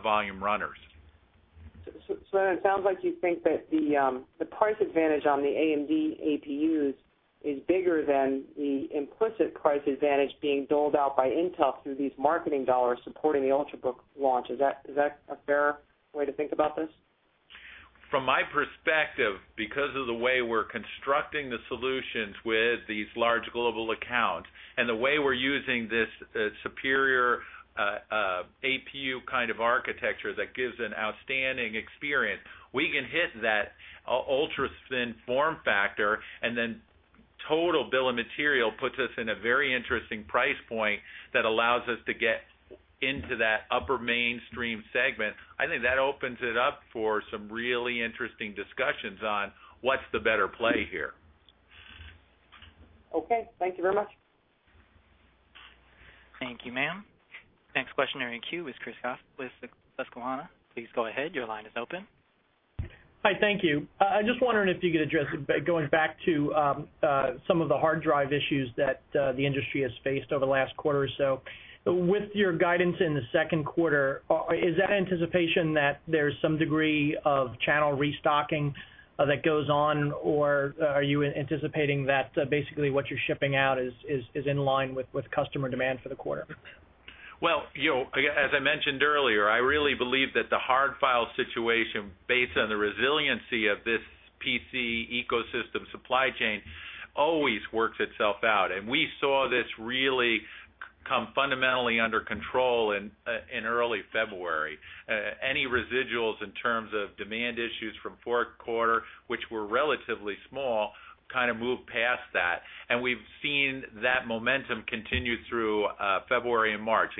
volume runners. It sounds like you think that the price advantage on the AMD APUs is bigger than the implicit price advantage being doled out by Intel through these marketing dollars supporting the ultrabook launch. Is that a fair way to think about this? From my perspective, because of the way we're constructing the solutions with these large global accounts and the way we're using this superior APU kind of architecture that gives an outstanding experience, we can hit that ultra-thin form factor. The total bill of material puts us in a very interesting price point that allows us to get into that upper mainstream segment. I think that opens it up for some really interesting discussions on what's the better play here. OK, thank you very much. Thank you, ma'am. Next questioner in queue is Chris Caso Susquehanna. Please go ahead. Your line is open. Hi, thank you. I'm just wondering if you could address going back to some of the hard drive issues that the industry has faced over the last quarter or so. With your guidance in the second quarter, is that anticipation that there's some degree of channel restocking that goes on? Are you anticipating that basically what you're shipping out is in line with customer demand for the quarter? As I mentioned earlier, I really believe that the hard file situation, based on the resiliency of this PC ecosystem supply chain, always works itself out. We saw this really come fundamentally under control in early February. Any residuals in terms of demand issues from the fourth quarter, which were relatively small, kind of moved past that. We've seen that momentum continue through February and March.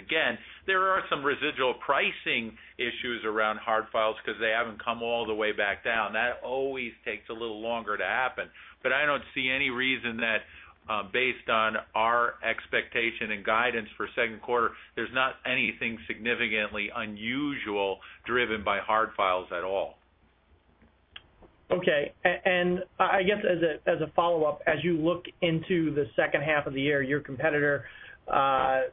There are some residual pricing issues around hard files because they haven't come all the way back down. That always takes a little longer to happen. I don't see any reason that, based on our expectation and guidance for the second quarter, there's not anything significantly unusual driven by hard files at all. OK, as a follow-up, as you look into the second half of the year, your competitor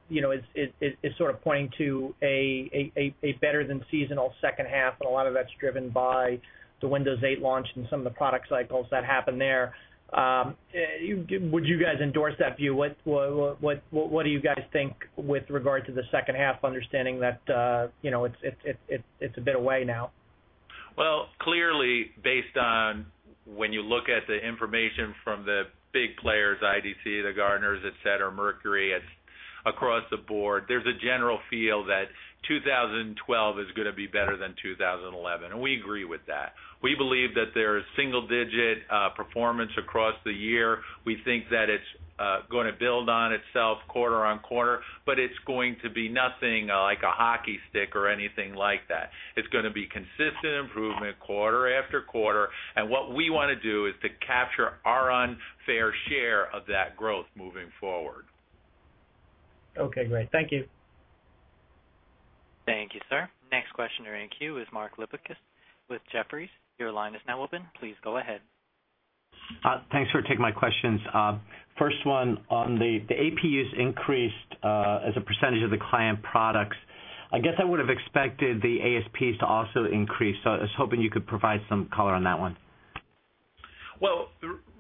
is sort of pointing to a better-than-seasonal second half. A lot of that's driven by the Windows 8 launch and some of the product cycles that happened there. Would you guys endorse that view? What do you guys think with regard to the second half, understanding that it's a bit away now? Clearly, based on when you look at the information from the big players, IDT, the Gartners, et cetera, Mercury, across the board, there's a general feel that 2012 is going to be better than 2011. We agree with that. We believe that there is single-digit performance across the year. We think that it's going to build on itself quarter on quarter. It's going to be nothing like a hockey stick or anything like that. It's going to be consistent improvement quarter after quarter. What we want to do is to capture our own fair share of that growth moving forward. OK, great. Thank you. Thank you, sir. Next questioner in queue is Mark Lipacis with Jefferies. Your line is now open. Please go ahead. Thanks for taking my questions. First one, on the APUs increased as a percentage of the client products, I guess I would have expected the ASPs to also increase. I was hoping you could provide some color on that one.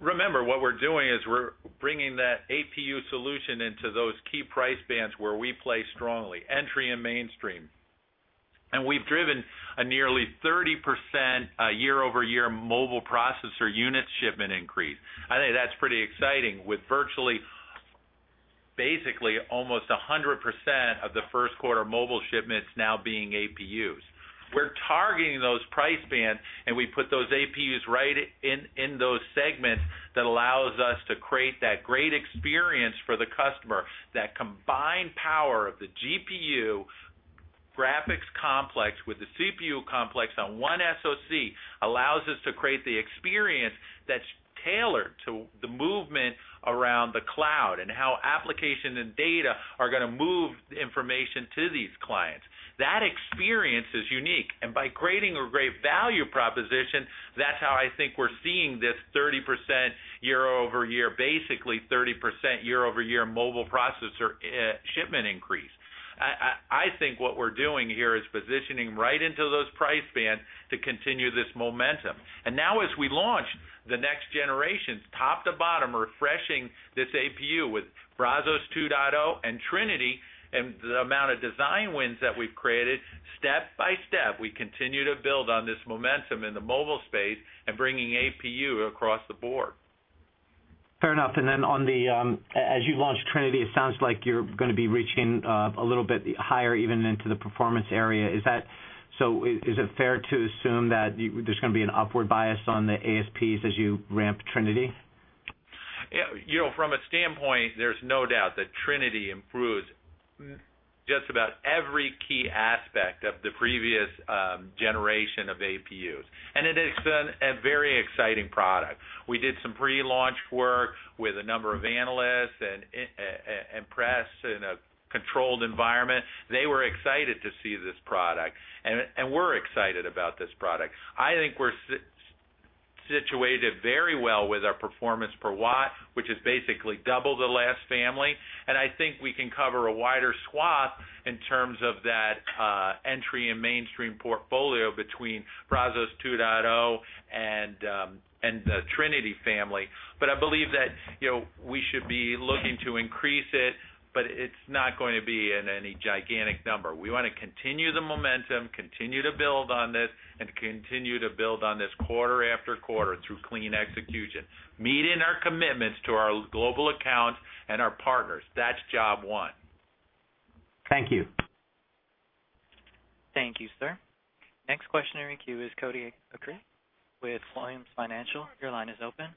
Remember, what we're doing is we're bringing that APU solution into those key price bands where we play strongly, entry and mainstream. We've driven a nearly 30% year-over-year mobile processor units shipment increase. I think that's pretty exciting with virtually, basically, almost 100% of the first quarter mobile shipments now being APUs. We're targeting those price bands, and we put those APUs right in those segments that allow us to create that great experience for the customer. That combined power of the GPU graphics complex with the CPU complex on one SoC allows us to create the experience that's tailored to the movement around the cloud and how application and data are going to move information to these clients. That experience is unique. By creating a great value proposition, that's how I think we're seeing this 30% year-over-year, basically 30% year-over-year mobile processor shipment increase. I think what we're doing here is positioning right into those price bands to continue this momentum. Now, as we launch the next generations, top to bottom, refreshing this APU with Brazos 2.0 and Trinity and the amount of design wins that we've created, step by step, we continue to build on this momentum in the mobile space and bringing APU across the board. Fair enough. As you launch Trinity, it sounds like you're going to be reaching a little bit higher even into the performance area. Is it fair to assume that there's going to be an upward bias on the ASPs as you ramp Trinity? From a standpoint, there's no doubt that Trinity improves just about every key aspect of the previous generation of APUs. It is a very exciting product. We did some pre-launch work with a number of analysts and press in a controlled environment. They were excited to see this product. We're excited about this product. I think we're situated very well with our performance per watt, which is basically double the last family. I think we can cover a wider swath in terms of that entry and mainstream portfolio between Brazos 2.0 and the Trinity family. I believe that we should be looking to increase it. It's not going to be in any gigantic number. We want to continue the momentum, continue to build on this, and continue to build on this quarter after quarter through clean execution, meeting our commitments to our global accounts and our partners. That's job one. Thank you. Thank you, sir. Next questioner in queue is Cody Acree with Williams Financial. Your line is open.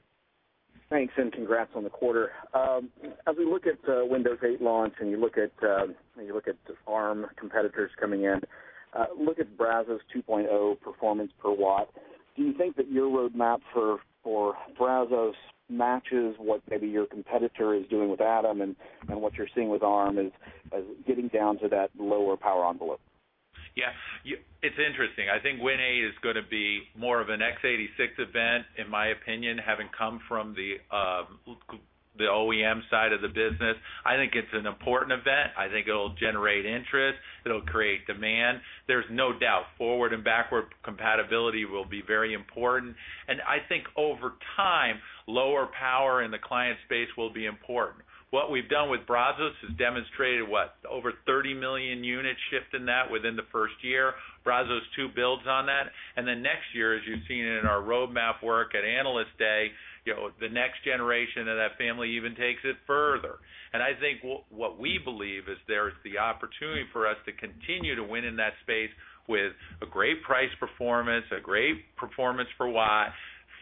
Thanks, and congrats on the quarter. As we look at the Windows 8 launch and you look at ARM competitors coming in, look at Brazos 2.0 performance per watt. Do you think that your roadmap for Brazos matches what maybe your competitor is doing with Atom and what you're seeing with ARM as getting down to that lower power envelope? Yes, it's interesting. I think Windows 8 is going to be more of an x86 event, in my opinion, having come from the OEM side of the business. I think it's an important event. I think it'll generate interest. It'll create demand. There's no doubt forward and backward compatibility will be very important. I think over time, lower power in the client space will be important. What we've done with Brazos has demonstrated what? Over 30 million units shipped in that within the first year. Brazos 2.0 builds on that. Next year, as you've seen in our roadmap work at Analyst Day, the next generation of that family even takes it further. I think what we believe is there's the opportunity for us to continue to win in that space with a great price performance, a great performance per watt,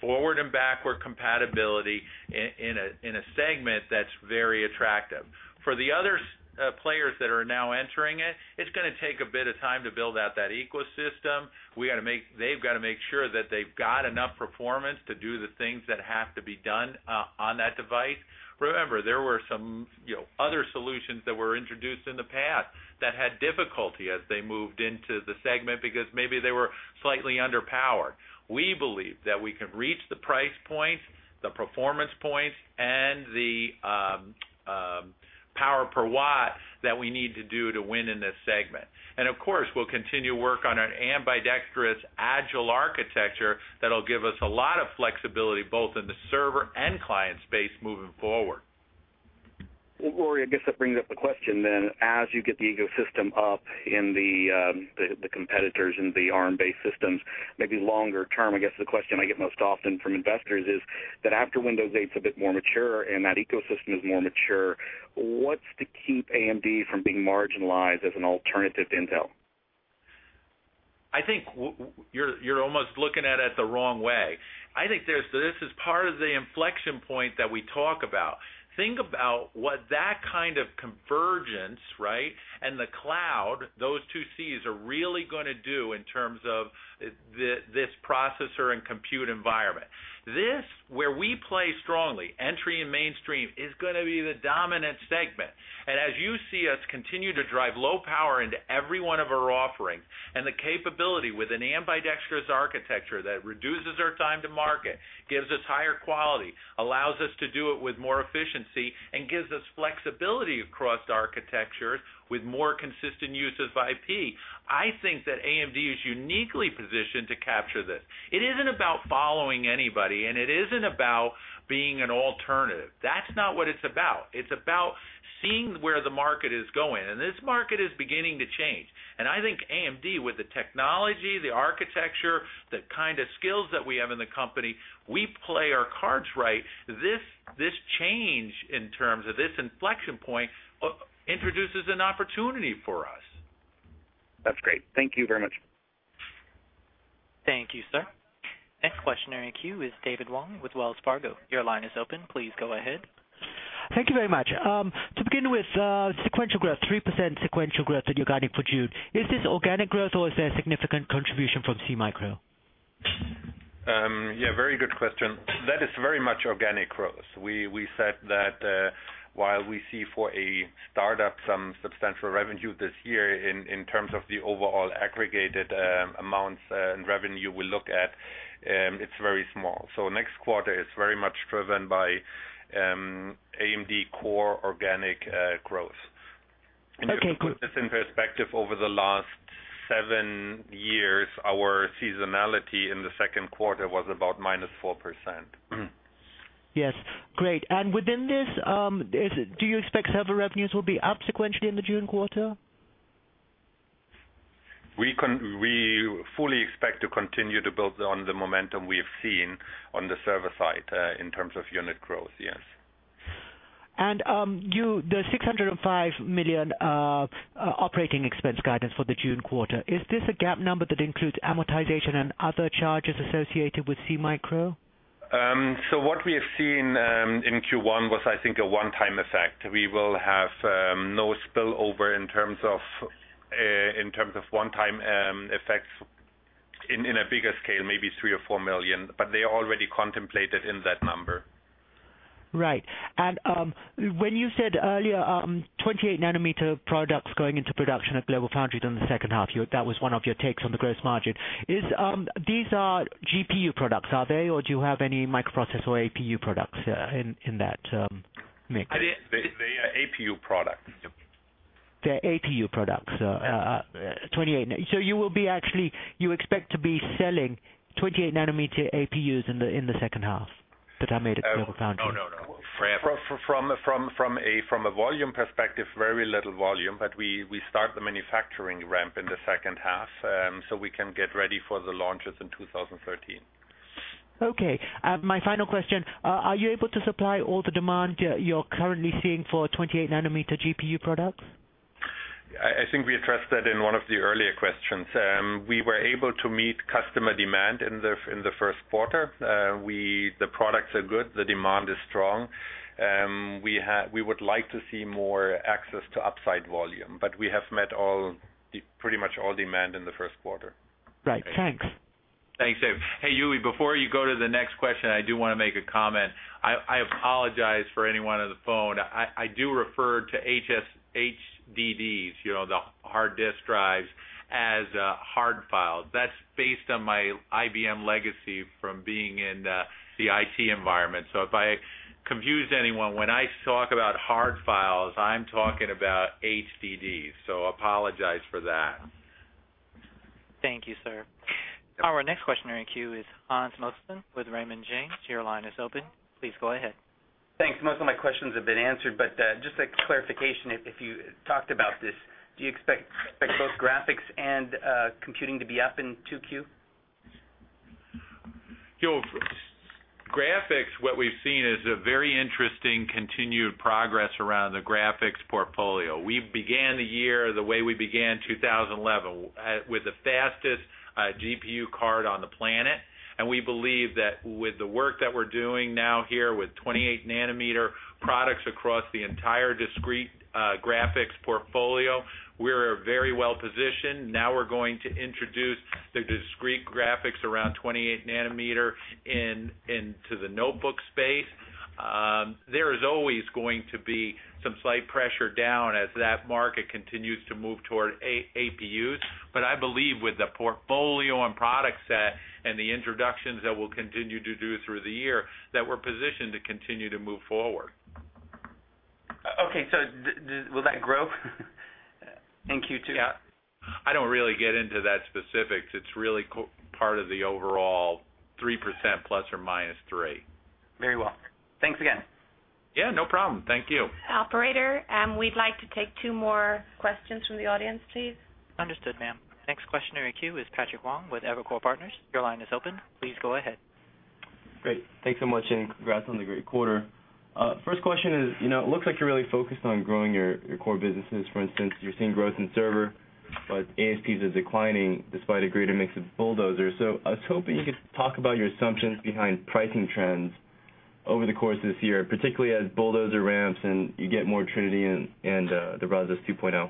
forward and backward compatibility in a segment that's very attractive. For the other players that are now entering it, it's going to take a bit of time to build out that ecosystem. They've got to make sure that they've got enough performance to do the things that have to be done on that device. Remember, there were some other solutions that were introduced in the past that had difficulty as they moved into the segment because maybe they were slightly underpowered. We believe that we can reach the price points, the performance points, and the power per watt that we need to do to win in this segment. Of course, we'll continue to work on an ambidextrous agile architecture that will give us a lot of flexibility both in the server and client space moving forward. Rory, I guess that brings up the question then, as you get the ecosystem up in the competitors and the ARM-based systems, maybe longer term, I guess the question I get most often from investors is that after Windows 8 is a bit more mature and that ecosystem is more mature, what's to keep AMD from being marginalized as an alternative to Intel? I think you're almost looking at it the wrong way. I think this is part of the inflection point that we talk about. Think about what that kind of convergence and the cloud, those two Cs, are really going to do in terms of this processor and compute environment. This, where we play strongly, entry and mainstream, is going to be the dominant segment. As you see us continue to drive low power into every one of our offerings and the capability with an ambidextrous architecture that reduces our time to market, gives us higher quality, allows us to do it with more efficiency, and gives us flexibility across architectures with more consistent uses of IP, I think that AMD is uniquely positioned to capture this. It isn't about following anybody. It isn't about being an alternative. That's not what it's about. It's about seeing where the market is going. This market is beginning to change. I think AMD, with the technology, the architecture, the kind of skills that we have in the company, we play our cards right. This change in terms of this inflection point introduces an opportunity for us. That's great. Thank you very much. Thank you, sir. Next questioner in queue is David Wong with Wells Fargo. Your line is open. Please go ahead. Thank you very much. To begin with, sequential growth, 3% sequential growth in your guided product. Is this organic growth, or is there a significant contribution from SeaMicro? Yeah, very good question. That is very much organic growth. We said that while we see for a startup some substantial revenue this year in terms of the overall aggregated amounts and revenue we look at, it's very small. Next quarter is very much driven by AMD core organic growth. Okay, good. To put this in perspective, over the last seven years, our seasonality in the second quarter was about -4%. Yes, great. Within this, do you expect server revenues will be up sequentially in the June quarter? We fully expect to continue to build on the momentum we have seen on the server side in terms of unit growth, yes. Is the $605 million operating expense guidance for the June quarter a GAAP number that includes amortization and other charges associated with SeaMicro? What we have seen in Q1 was, I think, a one-time effect. We will have no spillover in terms of one-time effects in a bigger scale, maybe $3 million or $4 million. They are already contemplated in that number. Right. When you said earlier 28-nr products going into production at Global Foundries in the second half, that was one of your takes on the gross margin. These are GPU products, are they, or do you have any microprocessor or APU products in that mix? They are APU products. They're APU products, 28. You expect to be selling 28-nr APUs in the second half that are made at Global Foundries? From a volume perspective, very little volume, but we start the manufacturing ramp in the second half so we can get ready for the launches in 2013. OK, my final question, are you able to supply all the demand you're currently seeing for 28-nr GPU products? I think we addressed that in one of the earlier questions. We were able to meet customer demand in the first quarter. The products are good, the demand is strong. We would like to see more access to upside volume, but we have met pretty much all demand in the first quarter. Right, thanks. Thanks, Dave. Hey, Uwe, before you go to the next question, I do want to make a comment. I apologize for anyone on the phone. I do refer to HDDs, the hard disk drives, as hard files. That's based on my IBM legacy from being in the IT environment. If I confuse anyone, when I talk about hard files, I'm talking about HDDs. I apologize for that. Thank you, sir. Our next questioner in queue is Hans Mosesmann with Raymond James. Your line is open. Please go ahead. Thanks. Most of my questions have been answered. Just a clarification, if you talked about this, do you expect both graphics and computing to be up in 2Q? Graphics, what we've seen is a very interesting continued progress around the graphics portfolio. We began the year the way we began 2011, with the fastest GPU card on the planet. We believe that with the work that we're doing now here with 28-nr products across the entire discrete graphics portfolio, we are very well positioned. Now we're going to introduce the discrete graphics around 28-nr into the notebook space. There is always going to be some slight pressure down as that market continues to move toward APUs. I believe with the portfolio and product set and the introductions that we'll continue to do through the year, that we're positioned to continue to move forward. OK, will that grow in Q2? Yeah, I don't really get into that specifics. It's really part of the overall 3%, ±3%. Thanks again. Yeah, no problem. Thank you. Operator, we'd like to take two more questions from the audience, please. Understood, ma'am. Next questioner in queue is Patrick Wang with Evercore Partners. Your line is open. Please go ahead. Great, thanks so much. Congrats on the great quarter. First question is, it looks like you're really focused on growing your core businesses. For instance, you're seeing growth in server, but ASPs are declining despite a greater mix of Bulldozers. I was hoping you could talk about your assumptions behind pricing trends over the course of this year, particularly as Bulldozer ramps and you get more Trinity and the Brazos 2.0.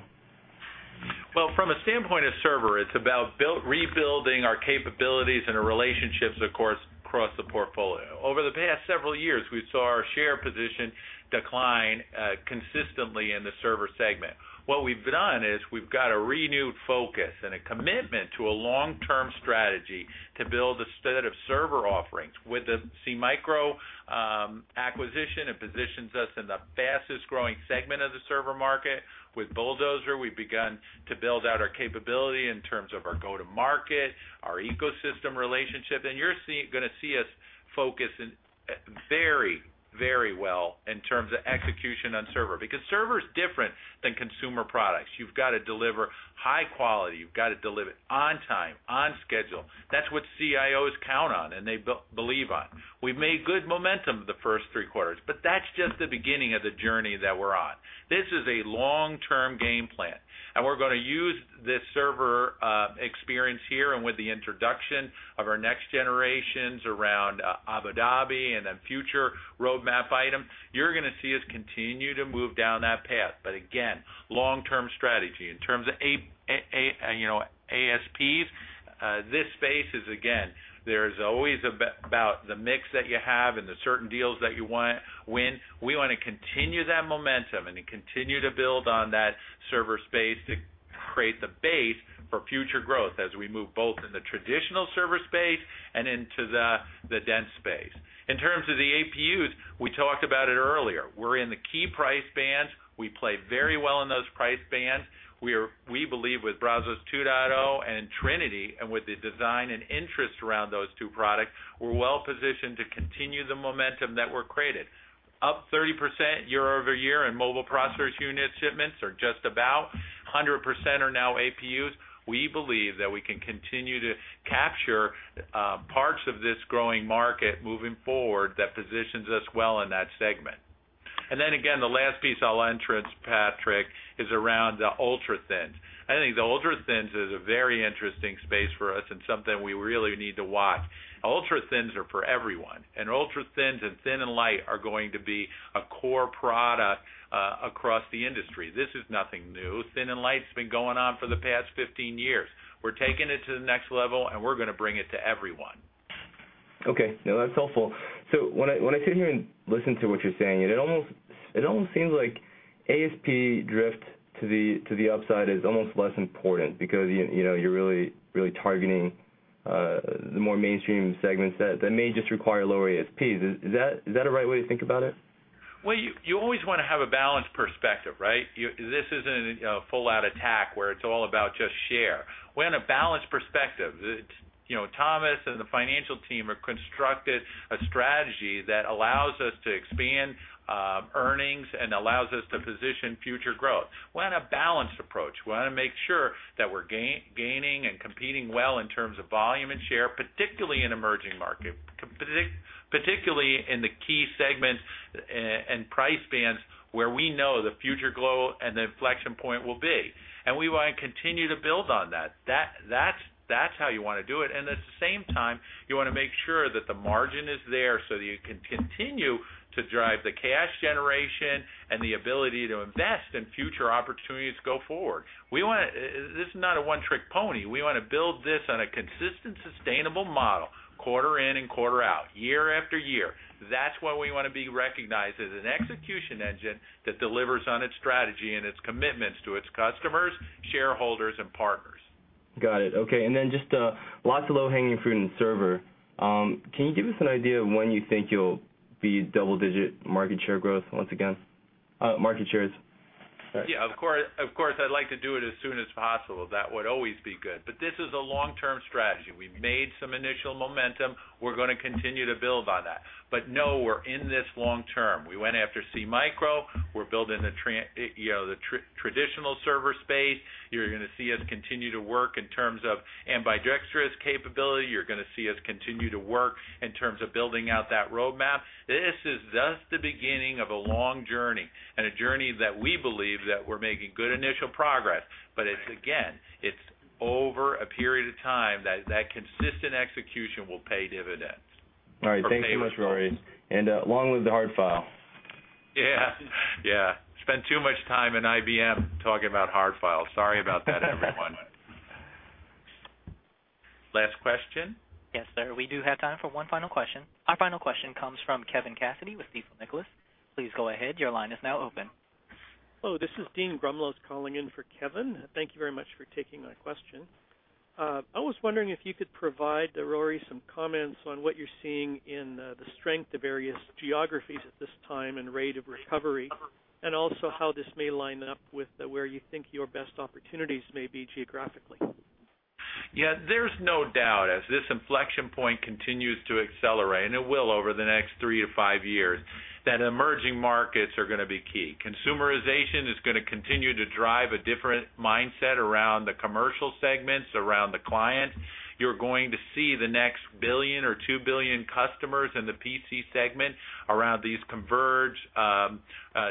From a standpoint of server, it's about rebuilding our capabilities and our relationships, of course, across the portfolio. Over the past several years, we saw our share position decline consistently in the server segment. What we've done is we've got a renewed focus and a commitment to a long-term strategy to build a set of server offerings. With the SeaMicro acquisition, it positions us in the fastest growing segment of the server market. With Bulldozer, we've begun to build out our capability in terms of our go-to-market, our ecosystem relationship. You're going to see us focus very, very well in terms of execution on server because server is different than consumer products. You've got to deliver high quality. You've got to deliver on time, on schedule. That's what CIOs count on and they believe in. We've made good momentum the first three quarters. That's just the beginning of the journey that we're on. This is a long-term game plan. We're going to use this server experience here and with the introduction of our next generations around Abu Dhabi and the future roadmap item. You're going to see us continue to move down that path. Again, long-term strategy in terms of ASPs, this space is, again, there is always about the mix that you have and the certain deals that you want to win. We want to continue that momentum and continue to build on that server space to create the base for future growth as we move both in the traditional server space and into the dense space. In terms of the APUs, we talked about it earlier. We're in the key price bands. We play very well in those price bands. We believe with Brazos 2.0 and Trinity and with the design and interest around those two products, we're well positioned to continue the momentum that we're creating. Up 30% year-over-year in mobile processor unit shipments or just about 100% are now APUs. We believe that we can continue to capture parts of this growing market moving forward that positions us well in that segment. The last piece I'll entrance, Patrick, is around the ultra-thins. I think the ultra-thins is a very interesting space for us and something we really need to watch. Ultra-thins are for everyone. Ultra-thins and thin and light are going to be a core product across the industry. This is nothing new. Thin and light's been going on for the past 15 years. We're taking it to the next level. We're going to bring it to everyone. OK, that's helpful. When I sit here and listen to what you're saying, it almost seems like ASP drift to the upside is almost less important because you're really targeting the more mainstream segments that may just require lower ASPs. Is that a right way to think about it? You always want to have a balanced perspective, right? This isn't a full-out attack where it's all about just share. We want a balanced perspective. Thomas and the financial team have constructed a strategy that allows us to expand earnings and allows us to position future growth. We want a balanced approach. We want to make sure that we're gaining and competing well in terms of volume and share, particularly in emerging markets, particularly in the key segments and price bands where we know the future growth and the inflection point will be. We want to continue to build on that. That's how you want to do it. At the same time, you want to make sure that the margin is there so that you can continue to drive the cash generation and the ability to invest in future opportunities to go forward. This is not a one-trick pony. We want to build this on a consistent, sustainable model, quarter in and quarter out, year after year. That's why we want to be recognized as an execution engine that delivers on its strategy and its commitments to its customers, shareholders, and partners. Got it. OK, and then just lots of low-hanging fruit in server. Can you give us an idea of when you think you'll be double-digit market share growth once again? Market shares. Yeah, of course, I'd like to do it as soon as possible. That would always be good. This is a long-term strategy. We've made some initial momentum. We're going to continue to build on that. No, we're in this long term. We went after SeaMicro. We're building the traditional server space. You're going to see us continue to work in terms of ambidextrous capability. You're going to see us continue to work in terms of building out that roadmap. This is just the beginning of a long journey and a journey that we believe that we're making good initial progress. Again, it's over a period of time that consistent execution will pay dividends. Right. Thanks so much, Rory, along with the hard file. Yeah, spent too much time in IBM talking about hard files. Sorry about that, everyone. Last question? Yes, sir. We do have time for one final question. Our final question comes from Kevin Cassidy with Stifel Nicolaus. Please go ahead. Your line is now open. Oh, this is Dean Grumlow calling in for Kevin. Thank you very much for taking my question. I was wondering if you could provide to Rory some comments on what you're seeing in the strength of various geographies at this time and rate of recovery, and also how this may line up with where you think your best opportunities may be geographically. Yeah, there's no doubt as this inflection point continues to accelerate, and it will over the next three to five years, that emerging markets are going to be key. Consumerization is going to continue to drive a different mindset around the commercial segments, around the clients. You're going to see the next billion or two billion customers in the PC segment around these converged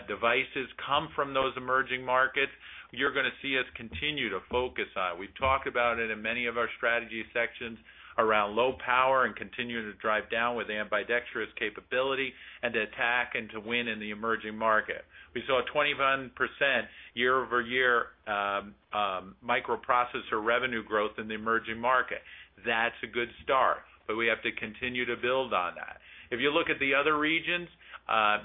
devices come from those emerging markets. You're going to see us continue to focus on it. We've talked about it in many of our strategy sections around low power and continuing to drive down with ambidextrous capability. To attack and to win in the emerging market. We saw 21% year-over-year microprocessor revenue growth in the emerging market. That's a good start, but we have to continue to build on that. If you look at the other regions,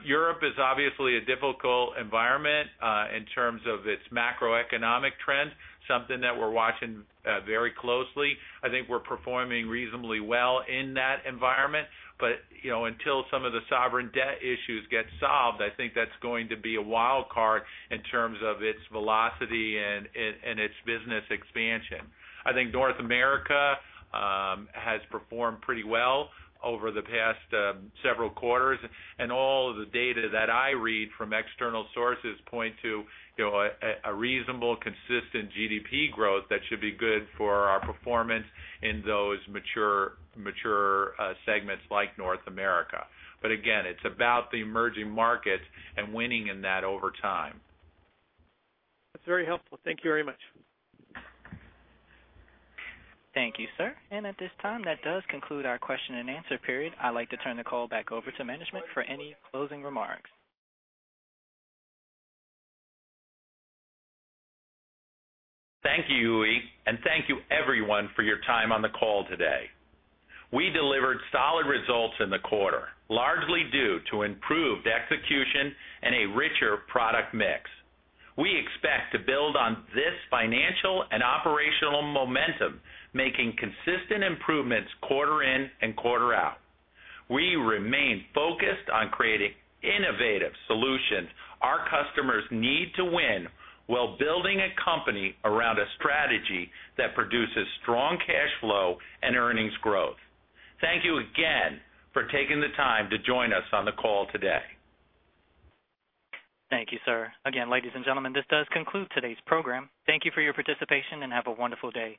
Europe is obviously a difficult environment, in terms of its macro-economic trends, something that we're watching very closely. I think we're performing reasonably well in that environment, but until some of the sovereign debt issues get solved, I think that's going to be a wild card in terms of its velocity and its business expansion. I think North America has performed pretty well over the past several quarters, and all of the data that I read from external sources point to a reasonable, consistent GDP growth that should be good for our performance in those mature segments like North America. Again, it's about the emerging markets and winning in that over time. That's very helpful. Thank you very much. Thank you, sir. At this time, that does conclude our question and answer period. I'd like to turn the call back over to management for any closing remarks. Thank you, Yui, and thank you everyone for your time on the call today. We delivered solid results in the quarter, largely due to improved execution and a richer product mix. We expect to build on this financial and operational momentum, making consistent improvements quarter in and quarter out. We remain focused on creating innovative solutions our customers need to win while building a company around a strategy that produces strong cash flow and earnings growth. Thank you again for taking the time to join us on the call today. Thank you, sir. Again, ladies and gentlemen, this does conclude today's program. Thank you for your participation and have a wonderful day.